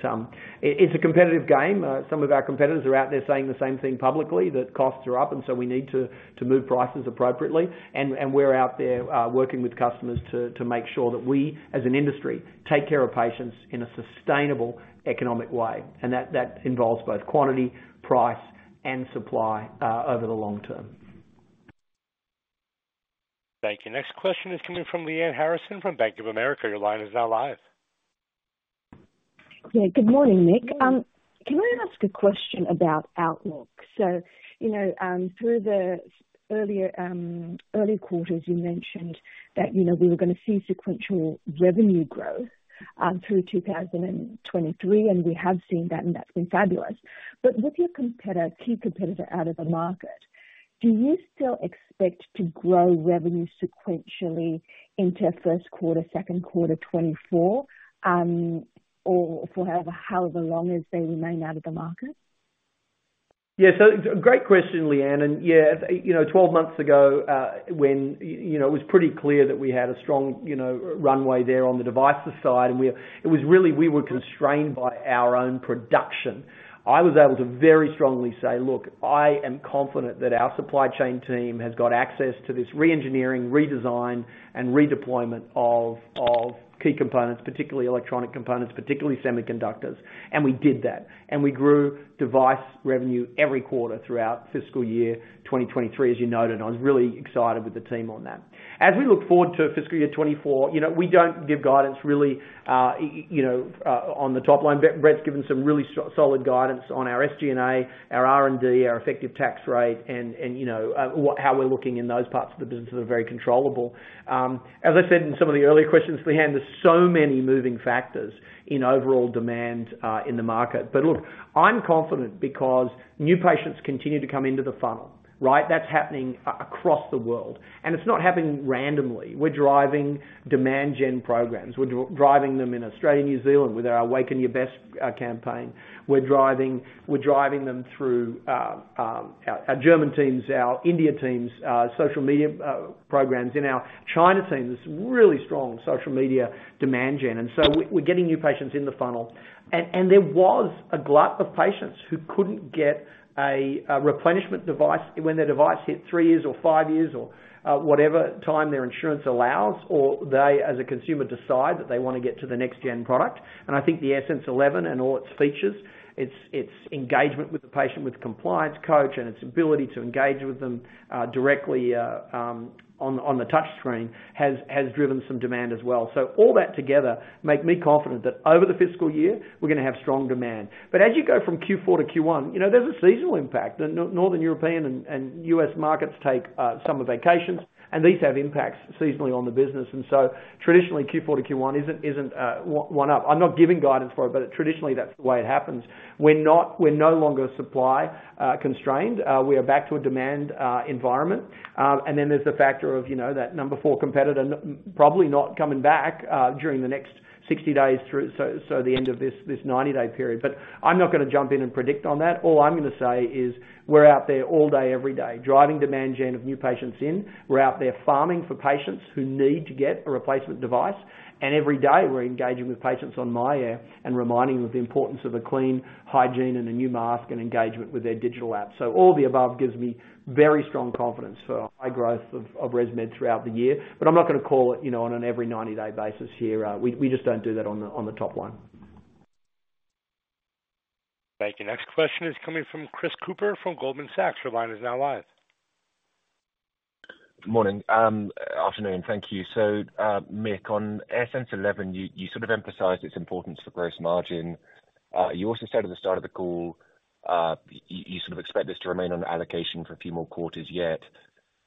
it's a competitive game. Some of our competitors are out there saying the same thing publicly, that costs are up, and so we need to, to move prices appropriately. And we're out there, working with customers to, to make sure that we, as an industry, take care of patients in a sustainable economic way, and that, that involves both quantity, price, and supply, over the long term. Thank you. Next question is coming from Lyanne Harrison from Bank of America. Your line is now live. Yeah, good morning, Mick. Can I ask a question about outlook? You know, through the earlier, early quarters, you mentioned that, you know, we were gonna see sequential revenue growth, through 2023, and we have seen that, and that's been fabulous. With your competitor, key competitor out of the market, do you still expect to grow revenue sequentially into first quarter, second quarter 2024, or for however, however long as they remain out of the market? Yeah. Great question, Lyanne, and yeah, you know, 12 months ago, when, you know, it was pretty clear that we had a strong, you know, runway there on the devices side, and It was really, we were constrained by our own production. I was able to very strongly say: Look, I am confident that our supply chain team has got access to this reengineering, redesign, and redeployment of, of key components, particularly electronic components, particularly semiconductors. We did that, and we grew device revenue every quarter throughout fiscal year 2023, as you noted. I was really excited with the team on that. As we look forward to fiscal year 2024, you know, we don't give guidance really, you know, on the top line. Brett's given some really solid guidance on our SG&A, our R&D, our effective tax rate, and, and, you know, how we're looking in those parts of the business that are very controllable. As I said in some of the earlier questions to the hand, there's so many moving factors in overall demand in the market. But look, I'm confident because new patients continue to come into the funnel, right? That's happening across the world, and it's not happening randomly. We're driving demand gen programs. We're driving them in Australia and New Zealand with our Awaken Your Best campaign. We're driving, we're driving them through, our German teams, our India teams, social media programs. In our China team, there's some really strong social media demand gen, and so we're getting new patients in the funnel. There was a glut of patients who couldn't get a replenishment device when their device hit three years or five years or whatever time their insurance allows, or they, as a consumer, decide that they want to get to the next gen product. I think the AirSense 11 and all its features, its engagement with the patient, with Compliance Coach and its ability to engage with them directly on the touchscreen, has driven some demand as well. All that together make me confident that over the fiscal year, we're gonna have strong demand. As you go from Q4 to Q1, you know, there's a seasonal impact. Northern European and US markets take summer vacations, and these have impacts seasonally on the business. Traditionally, Q4 to Q1 isn't, isn't one up. I'm not giving guidance for it, but traditionally, that's the way it happens. We're no longer supply constrained. We are back to a demand environment. Then there's the factor of, you know, that number four competitor probably not coming back during the next 60 days through... the end of this, this 90 day period. I'm not gonna jump in and predict on that. All I'm gonna say is we're out there all day, every day, driving demand gen of new patients in. We're out there farming for patients who need to get a replacement device, and every day, we're engaging with patients on myAir and reminding them of the importance of a clean hygiene and a new mask and engagement with their digital app. All the above gives me very strong confidence for high growth of, of ResMed throughout the year, but I'm not gonna call it, you know, on an every 90-day basis here. We, we just don't do that on the, on the top line. Thank you. Next question is coming from Chris Cooper from Goldman Sachs. Your line is now live. Morning, afternoon. Thank you. Mick, on AirSense 11, you sort of emphasized its importance to gross margin. You also said at the start of the call, you sort of expect this to remain on allocation for a few more quarters yet.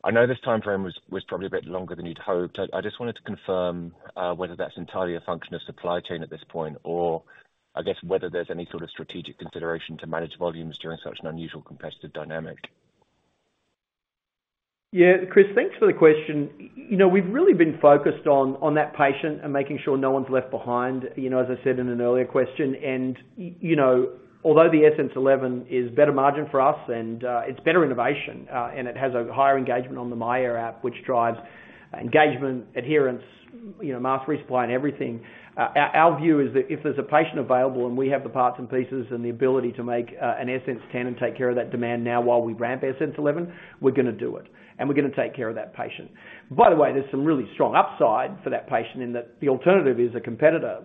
I know this timeframe was probably a bit longer than you'd hoped. I just wanted to confirm whether that's entirely a function of supply chain at this point, or I guess whether there's any sort of strategic consideration to manage volumes during such an unusual competitive dynamic. Yeah, Chris, thanks for the question. You know, we've really been focused on, on that patient and making sure no one's left behind, you know, as I said in an earlier question. You know, although the AirSense 11 is better margin for us and it's better innovation and it has a higher engagement on the myAir app, which drives engagement, adherence, you know, mask resupply and everything. Our, our view is that if there's a patient available and we have the parts and pieces and the ability to make an AirSense 10 and take care of that demand now while we ramp AirSense 11, we're gonna do it, and we're gonna take care of that patient. By the way, there's some really strong upside for that patient in that the alternative is a competitor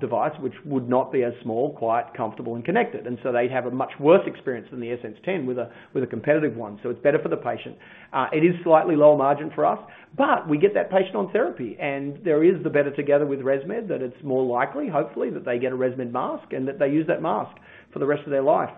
device, which would not be as small, quiet, comfortable, and connected, and so they'd have a much worse experience than the AirSense 10 with a, with a competitive one. It's better for the patient. It is slightly lower margin for us, but we get that patient on therapy, and there is the better together with ResMed, that it's more likely, hopefully, that they get a ResMed mask and that they use that mask for the rest of their life.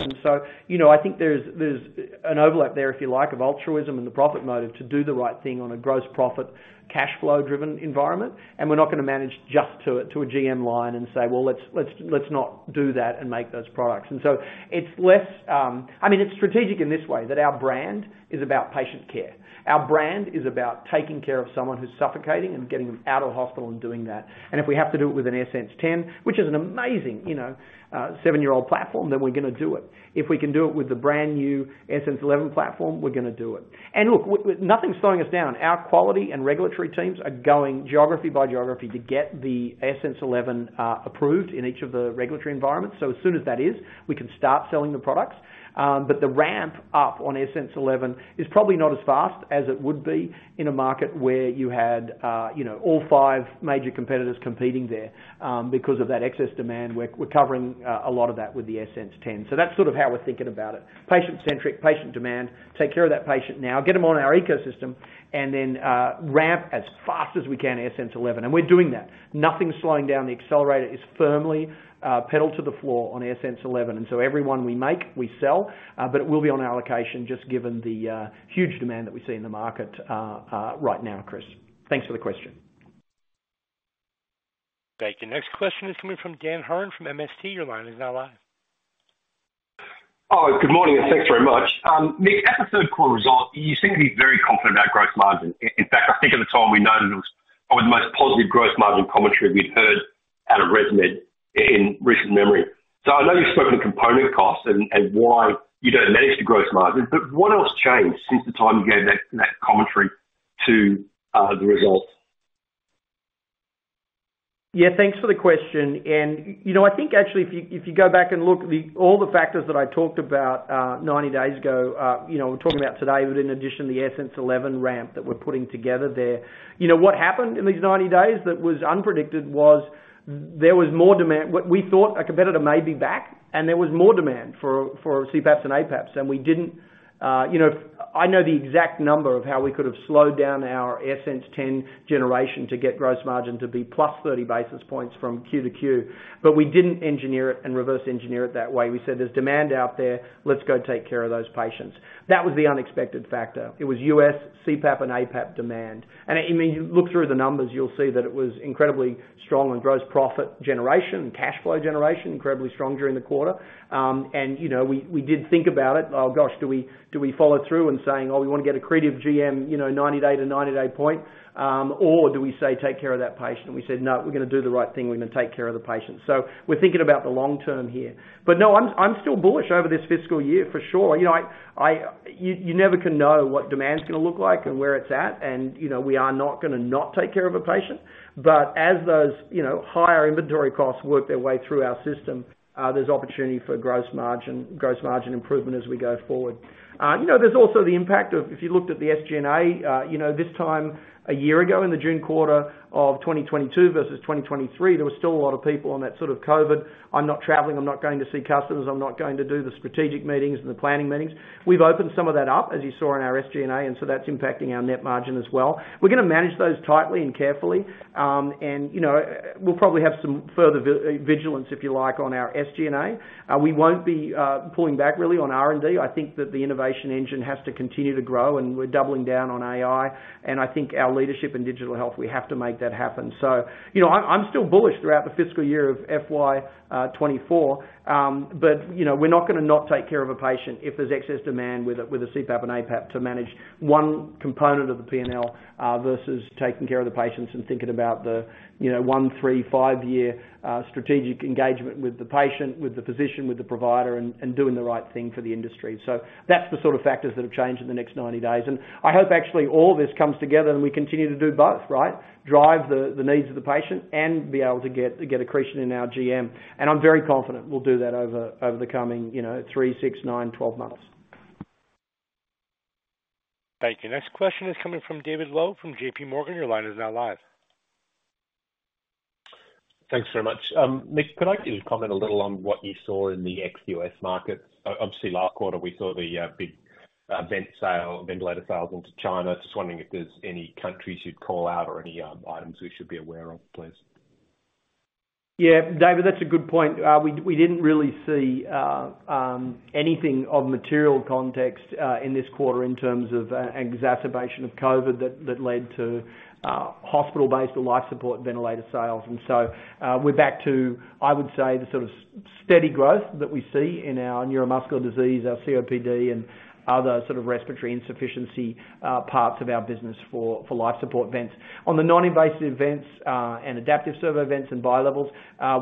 You know, I think there's, there's an overlap there, if you like, of altruism and the profit motive to do the right thing on a gross profit, cashflow-driven environment. We're not gonna manage just to a, to a GM line and say, "Well, let's, let's, let's not do that and make those products." So it's less, I mean, it's strategic in this way, that our brand is about patient care. Our brand is about taking care of someone who's suffocating and getting them out of hospital and doing that. If we have to do it with an AirSense 10, which is an amazing, you know, seven-year-old platform, then we're gonna do it. If we can do it with the brand new AirSense 11 platform, we're gonna do it. Look, w- w- nothing's slowing us down. Our quality and regulatory teams are going geography by geography to get the AirSense 11 approved in each of the regulatory environments. As soon as that is, we can start selling the products. The ramp up on AirSense 11 is probably not as fast as it would be in a market where you had, you know, all five major competitors competing there. Because of that excess demand, we're, we're covering a lot of that with the AirSense 10. That's sort of how we're thinking about it: patient-centric, patient demand, take care of that patient now, get them on our ecosystem, and then ramp as fast as we can AirSense 11, and we're doing that. Nothing's slowing down. The accelerator is firmly pedal to the floor on AirSense 11, and every one we make, we sell. It will be on allocation just given the huge demand that we see in the market right now, Chris. Thanks for the question. Thank you. Next question is coming from Dan Hurren from MST. Your line is now live. Good morning, and thanks very much. Mick, at the third quarter result, you seem to be very confident about gross margin. In fact, I think at the time we known it was probably the most positive gross margin commentary we'd heard out of ResMed in recent memory. I know you've spoken to component costs and why you don't manage the gross margin, but what else changed since the time you gave that, that commentary to the results? Yeah, thanks for the question. You know, I think actually if you, if you go back and look, the, all the factors that I talked about, 90 days ago, you know, we're talking about today, but in addition, the AirSense 11 ramp that we're putting together there. You know, what happened in these 90 days that was unpredicted was there was more demand... We, we thought a competitor may be back, and there was more demand for, for CPAPs and APAPs, and we didn't, you know, I know the exact number of how we could have slowed down our AirSense 10 generation to get gross margin to be plus 30 basis points from Q to Q, but we didn't engineer it and reverse engineer it that way. We said: There's demand out there. Let's go take care of those patients. That was the unexpected factor. It was US, CPAP, and APAP demand. I mean, you look through the numbers, you'll see that it was incredibly strong in gross profit generation and cash flow generation, incredibly strong during the quarter. You know, we did think about it. Oh, gosh, do we follow through in saying, "Oh, we want to get accretive GM, you know, 90-day to 90-day point," or do we say, "Take care of that patient?" We said, "No, we're going to do the right thing. We're going to take care of the patient." We're thinking about the long term here. No, I'm, I'm still bullish over this fiscal year for sure. You know, you never can know what demand's going to look like and where it's at, and, you know, we are not going to not take care of a patient. As those, you know, higher inventory costs work their way through our system, there's opportunity for gross margin, gross margin improvement as we go forward. You know, there's also the impact of if you looked at the SG&A, you know, this time a year ago in the June quarter of 2022 versus 2023, there were still a lot of people on that sort of COVID, I'm not traveling, I'm not going to see customers, I'm not going to do the strategic meetings and the planning meetings. We've opened some of that up, as you saw in our SG&A, and so that's impacting our net margin as well. We're going to manage those tightly and carefully. And, you know, we'll probably have some further vigilance, if you like, on our SG&A. We won't be pulling back really on R&D. I think that the innovation engine has to continue to grow, and we're doubling down on AI, and I think our leadership in digital health, we have to make that happen. You know, I'm, I'm still bullish throughout the fiscal year of FY 24. You know, we're not going to not take care of a patient if there's excess demand with a, with a CPAP and APAP to manage one component of the P&L versus taking care of the patients and thinking about the, you know, one, three, five year strategic engagement with the patient, with the physician, with the provider, and doing the right thing for the industry. That's the sort of factors that have changed in the next 90 days. I hope actually all this comes together, and we continue to do both, right? Drive the, the needs of the patient and be able to get, get accretion in our GM. I'm very confident we'll do that over, over the coming, you know, three, six, nine, 12 months. Thank you. Next question is coming from David Low, from J.P. Morgan. Your line is now live. Thanks very much. Mick, could I get you to comment a little on what you saw in the ex-US market? Obviously, last quarter, we saw the big vent sale, ventilator sales into China. Just wondering if there's any countries you'd call out or any items we should be aware of, please. Yeah, David, that's a good point. We, we didn't really see anything of material context in this quarter in terms of exacerbation of COVID that, that led to hospital-based or life support ventilator sales. We're back to, I would say, the sort of steady growth that we see in our neuromuscular disease, our COPD, and other sort of respiratory insufficiency parts of our business for, for life support vents. On the non-invasive vents, and adaptive servo vents and bilevels,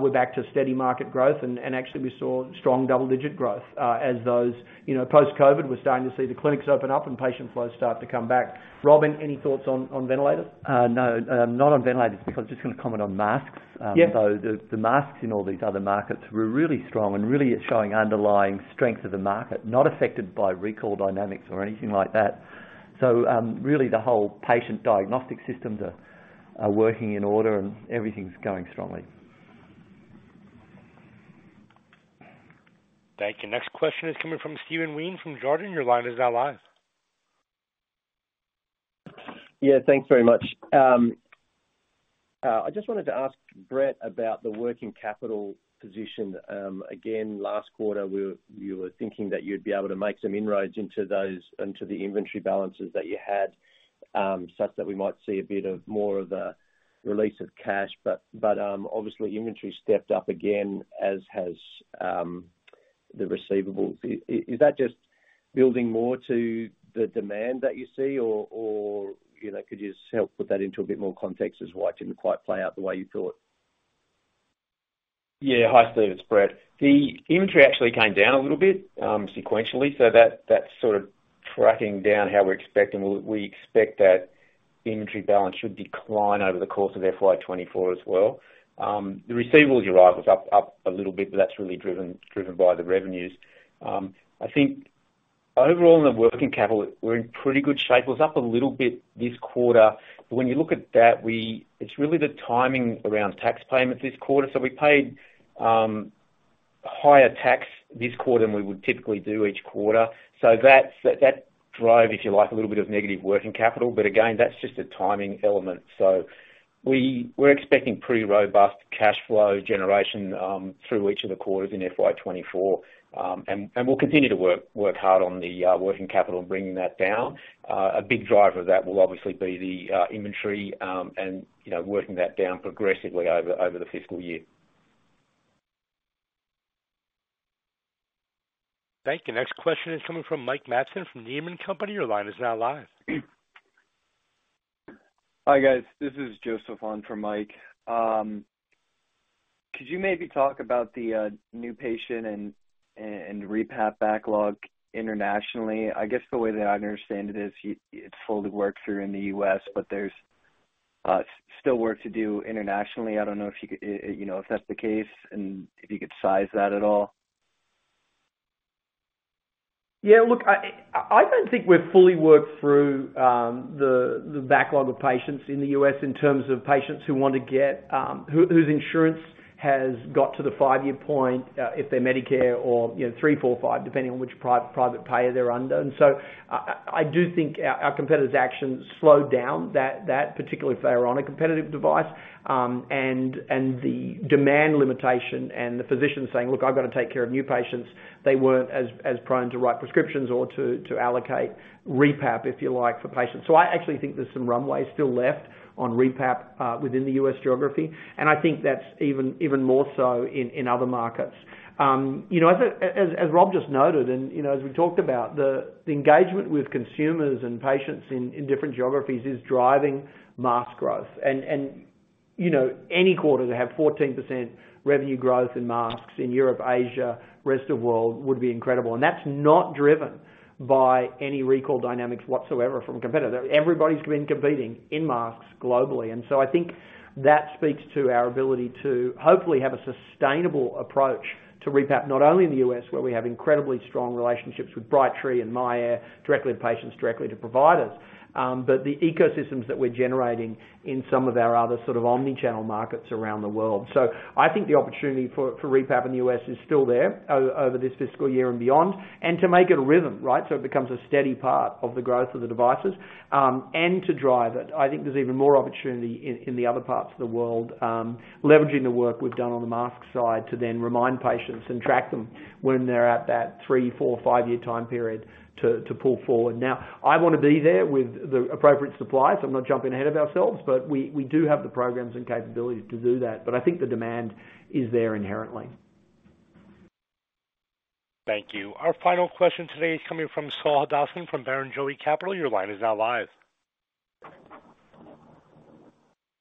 we're back to steady market growth, actually, we saw strong double-digit growth as those, you know, post-COVID, we're starting to see the clinics open up and patient flows start to come back. Rob, any thoughts on, on ventilators? No, not on ventilators, because I'm just going to comment on masks. Yeah. The masks in all these other markets were really strong and really it's showing underlying strength of the market, not affected by recall dynamics or anything like that. Really, the whole patient diagnostic systems are working in order, and everything's going strongly. Thank you. Next question is coming from Stephen Wheen from Jarden. Your line is now live. Yeah, thanks very much. I just wanted to ask Brett about the working capital position. Again, last quarter, you were thinking that you'd be able to make some inroads into those, into the inventory balances that you had, such that we might see a bit of more of a release of cash, obviously, inventory stepped up again, as has, the receivables. Is that just building more to the demand that you see? Or, or, you know, could you just help put that into a bit more context as why it didn't quite play out the way you thought? Yeah. Hi, Steven, it's Brett. The inventory actually came down a little bit, sequentially, That's sort of tracking down how we're expecting. We expect that the inventory balance should decline over the course of FY '24 as well. The receivables you're right, was up, up a little bit, but that's really driven, driven by the revenues. I think overall in the working capital, we're in pretty good shape. It was up a little bit this quarter, but when you look at that, it's really the timing around tax payments this quarter. We paid higher tax this quarter than we would typically do each quarter. That's that drove, if you like, a little bit of negative working capital, but again, that's just a timing element. We're expecting pretty robust cash flow generation, through each of the quarters in FY '24. We'll continue to work, work hard on the working capital and bringing that down. A big driver of that will obviously be the inventory, and, you know, working that down progressively over, over the fiscal year. Thank you. Next question is coming from Mike Matson from Needham and Company. Your line is now live. Hi, guys, this is Joseph on for Mike. Could you maybe talk about the new patient and rePAP backlog internationally? I guess the way that I understand it is, it's fully worked through in the US, but there's still work to do internationally. I don't know if you could, you know, if that's the case and if you could size that at all. Yeah, look, I, I, I don't think we've fully worked through the backlog of patients in the US in terms of patients who want to get whose, whose insurance has got to the 5-year point, if they're Medicare or, you know, three, four, five, depending on which private payer they're under. I, I, I do think our, our competitors' actions slowed down that, that, particularly if they were on a competitive device. The demand limitation and the physicians saying, "Look, I've got to take care of new patients," they weren't as, as prone to write prescriptions or to, to allocate repap, if you like, for patients. I actually think there's some runway still left on repap within the US geography, and I think that's even, even more so in, in other markets. You know, as, as, as Rob just noted, and, you know, as we talked about, the, the engagement with consumers and patients in, in different geographies is driving mask growth. You know, any quarter to have 14% revenue growth in masks in Europe, Asia, rest of world would be incredible. That's not driven by any recall dynamics whatsoever from a competitor. Everybody's been competing in masks globally, and so I think that speaks to our ability to hopefully have a sustainable approach to rePAP, not only in the U.S., where we have incredibly strong relationships with Brightree and myAir, directly to patients, directly to providers, but the ecosystems that we're generating in some of our other sort of omni-channel markets around the world. I think the opportunity for, for rePAP in the U.S. is still there over this fiscal year and beyond. To make it a rhythm, right? It becomes a steady part of the growth of the devices, and to drive it. I think there's even more opportunity in, in the other parts of the world, leveraging the work we've done on the mask side, to then remind patients and track them when they're at that three, four, five year time period to, to pull forward. Now, I want to be there with the appropriate supply, so I'm not jumping ahead of ourselves, but we, we do have the programs and capabilities to do that. I think the demand is there inherently. Thank you. Our final question today is coming from Saul Hadassin from Barrenjoey Capital. Your line is now live.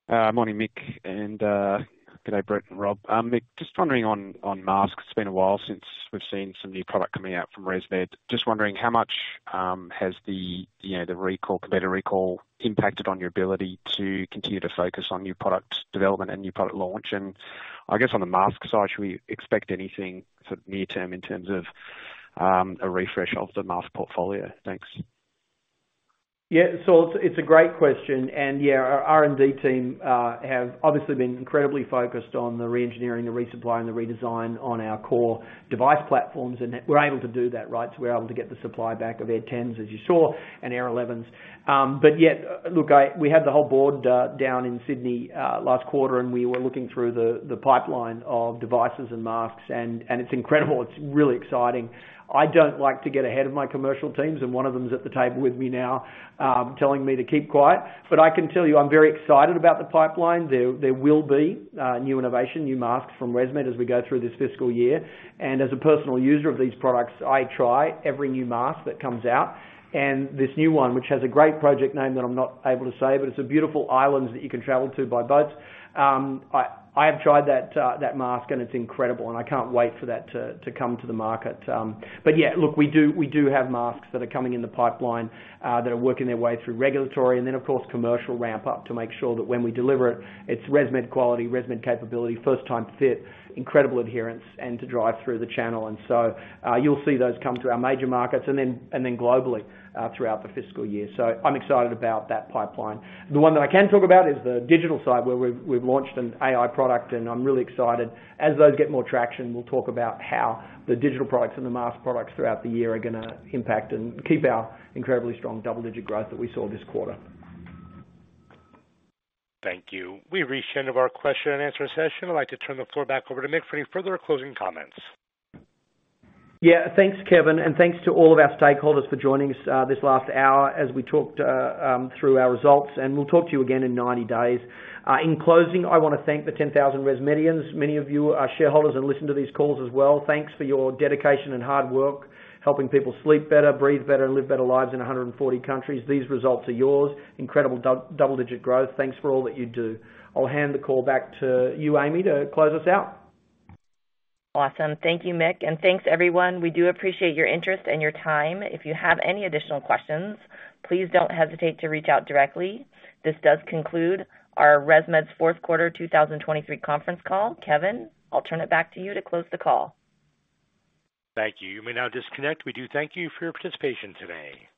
Morning, Mick, and good day, Brett and Rob. Mick, just wondering on, on masks. It's been a while since we've seen some new product coming out from ResMed. Just wondering, how much has the, you know, the recall, competitive recall, impacted on your ability to continue to focus on new product development and new product launch? I guess on the mask side, should we expect anything sort of near term in terms of a refresh of the mask portfolio? Thanks. Yeah, it's, it's a great question. Yeah, our R&D team have obviously been incredibly focused on the reengineering, the resupply, and the redesign on our core device platforms, and we're able to do that, right? We're able to get the supply back of Air Tens, as you saw, and Air Elevens. Yet, look, I- we had the whole board down in Sydney last quarter, and we were looking through the pipeline of devices and masks, and it's incredible. It's really exciting. I don't like to get ahead of my commercial teams, and one of them is at the table with me now, telling me to keep quiet, but I can tell you, I'm very excited about the pipeline. There, there will be new innovation, new masks from ResMed as we go through this fiscal year. As a personal user of these products, I try every new mask that comes out, and this new one, which has a great project name that I'm not able to say, but it's a beautiful island that you can travel to by boat. I, I have tried that, that mask, and it's incredible, and I can't wait for that to, to come to the market. Yeah, look, we do, we do have masks that are coming in the pipeline, that are working their way through regulatory and then, of course, commercial ramp-up to make sure that when we deliver it, it's ResMed quality, ResMed capability, first-time fit, incredible adherence, and to drive through the channel. You'll see those come to our major markets and then, and then globally, throughout the fiscal year. I'm excited about that pipeline. The one that I can talk about is the digital side, where we've launched an AI product, and I'm really excited. As those get more traction, we'll talk about how the digital products and the mask products throughout the year are gonna impact and keep our incredibly strong double-digit growth that we saw this quarter. Thank you. We've reached the end of our question and answer session. I'd like to turn the floor back over to Mick for any further closing comments. Yeah. Thanks, Kevin, and thanks to all of our stakeholders for joining us this last hour as we talked through our results, and we'll talk to you again in 90 days. In closing, I want to thank the 10,000 ResMedians. Many of you are shareholders and listen to these calls as well. Thanks for your dedication and hard work, helping people sleep better, breathe better, and live better lives in 140 countries. These results are yours. Incredible double-digit growth. Thanks for all that you do. I'll hand the call back to you, Amy, to close us out. Awesome. Thank you, Mick, and thanks, everyone. We do appreciate your interest and your time. If you have any additional questions, please don't hesitate to reach out directly. This does conclude our ResMed's fourth quarter 2023 conference call. Kevin, I'll turn it back to you to close the call. Thank you. You may now disconnect. We do thank you for your participation today.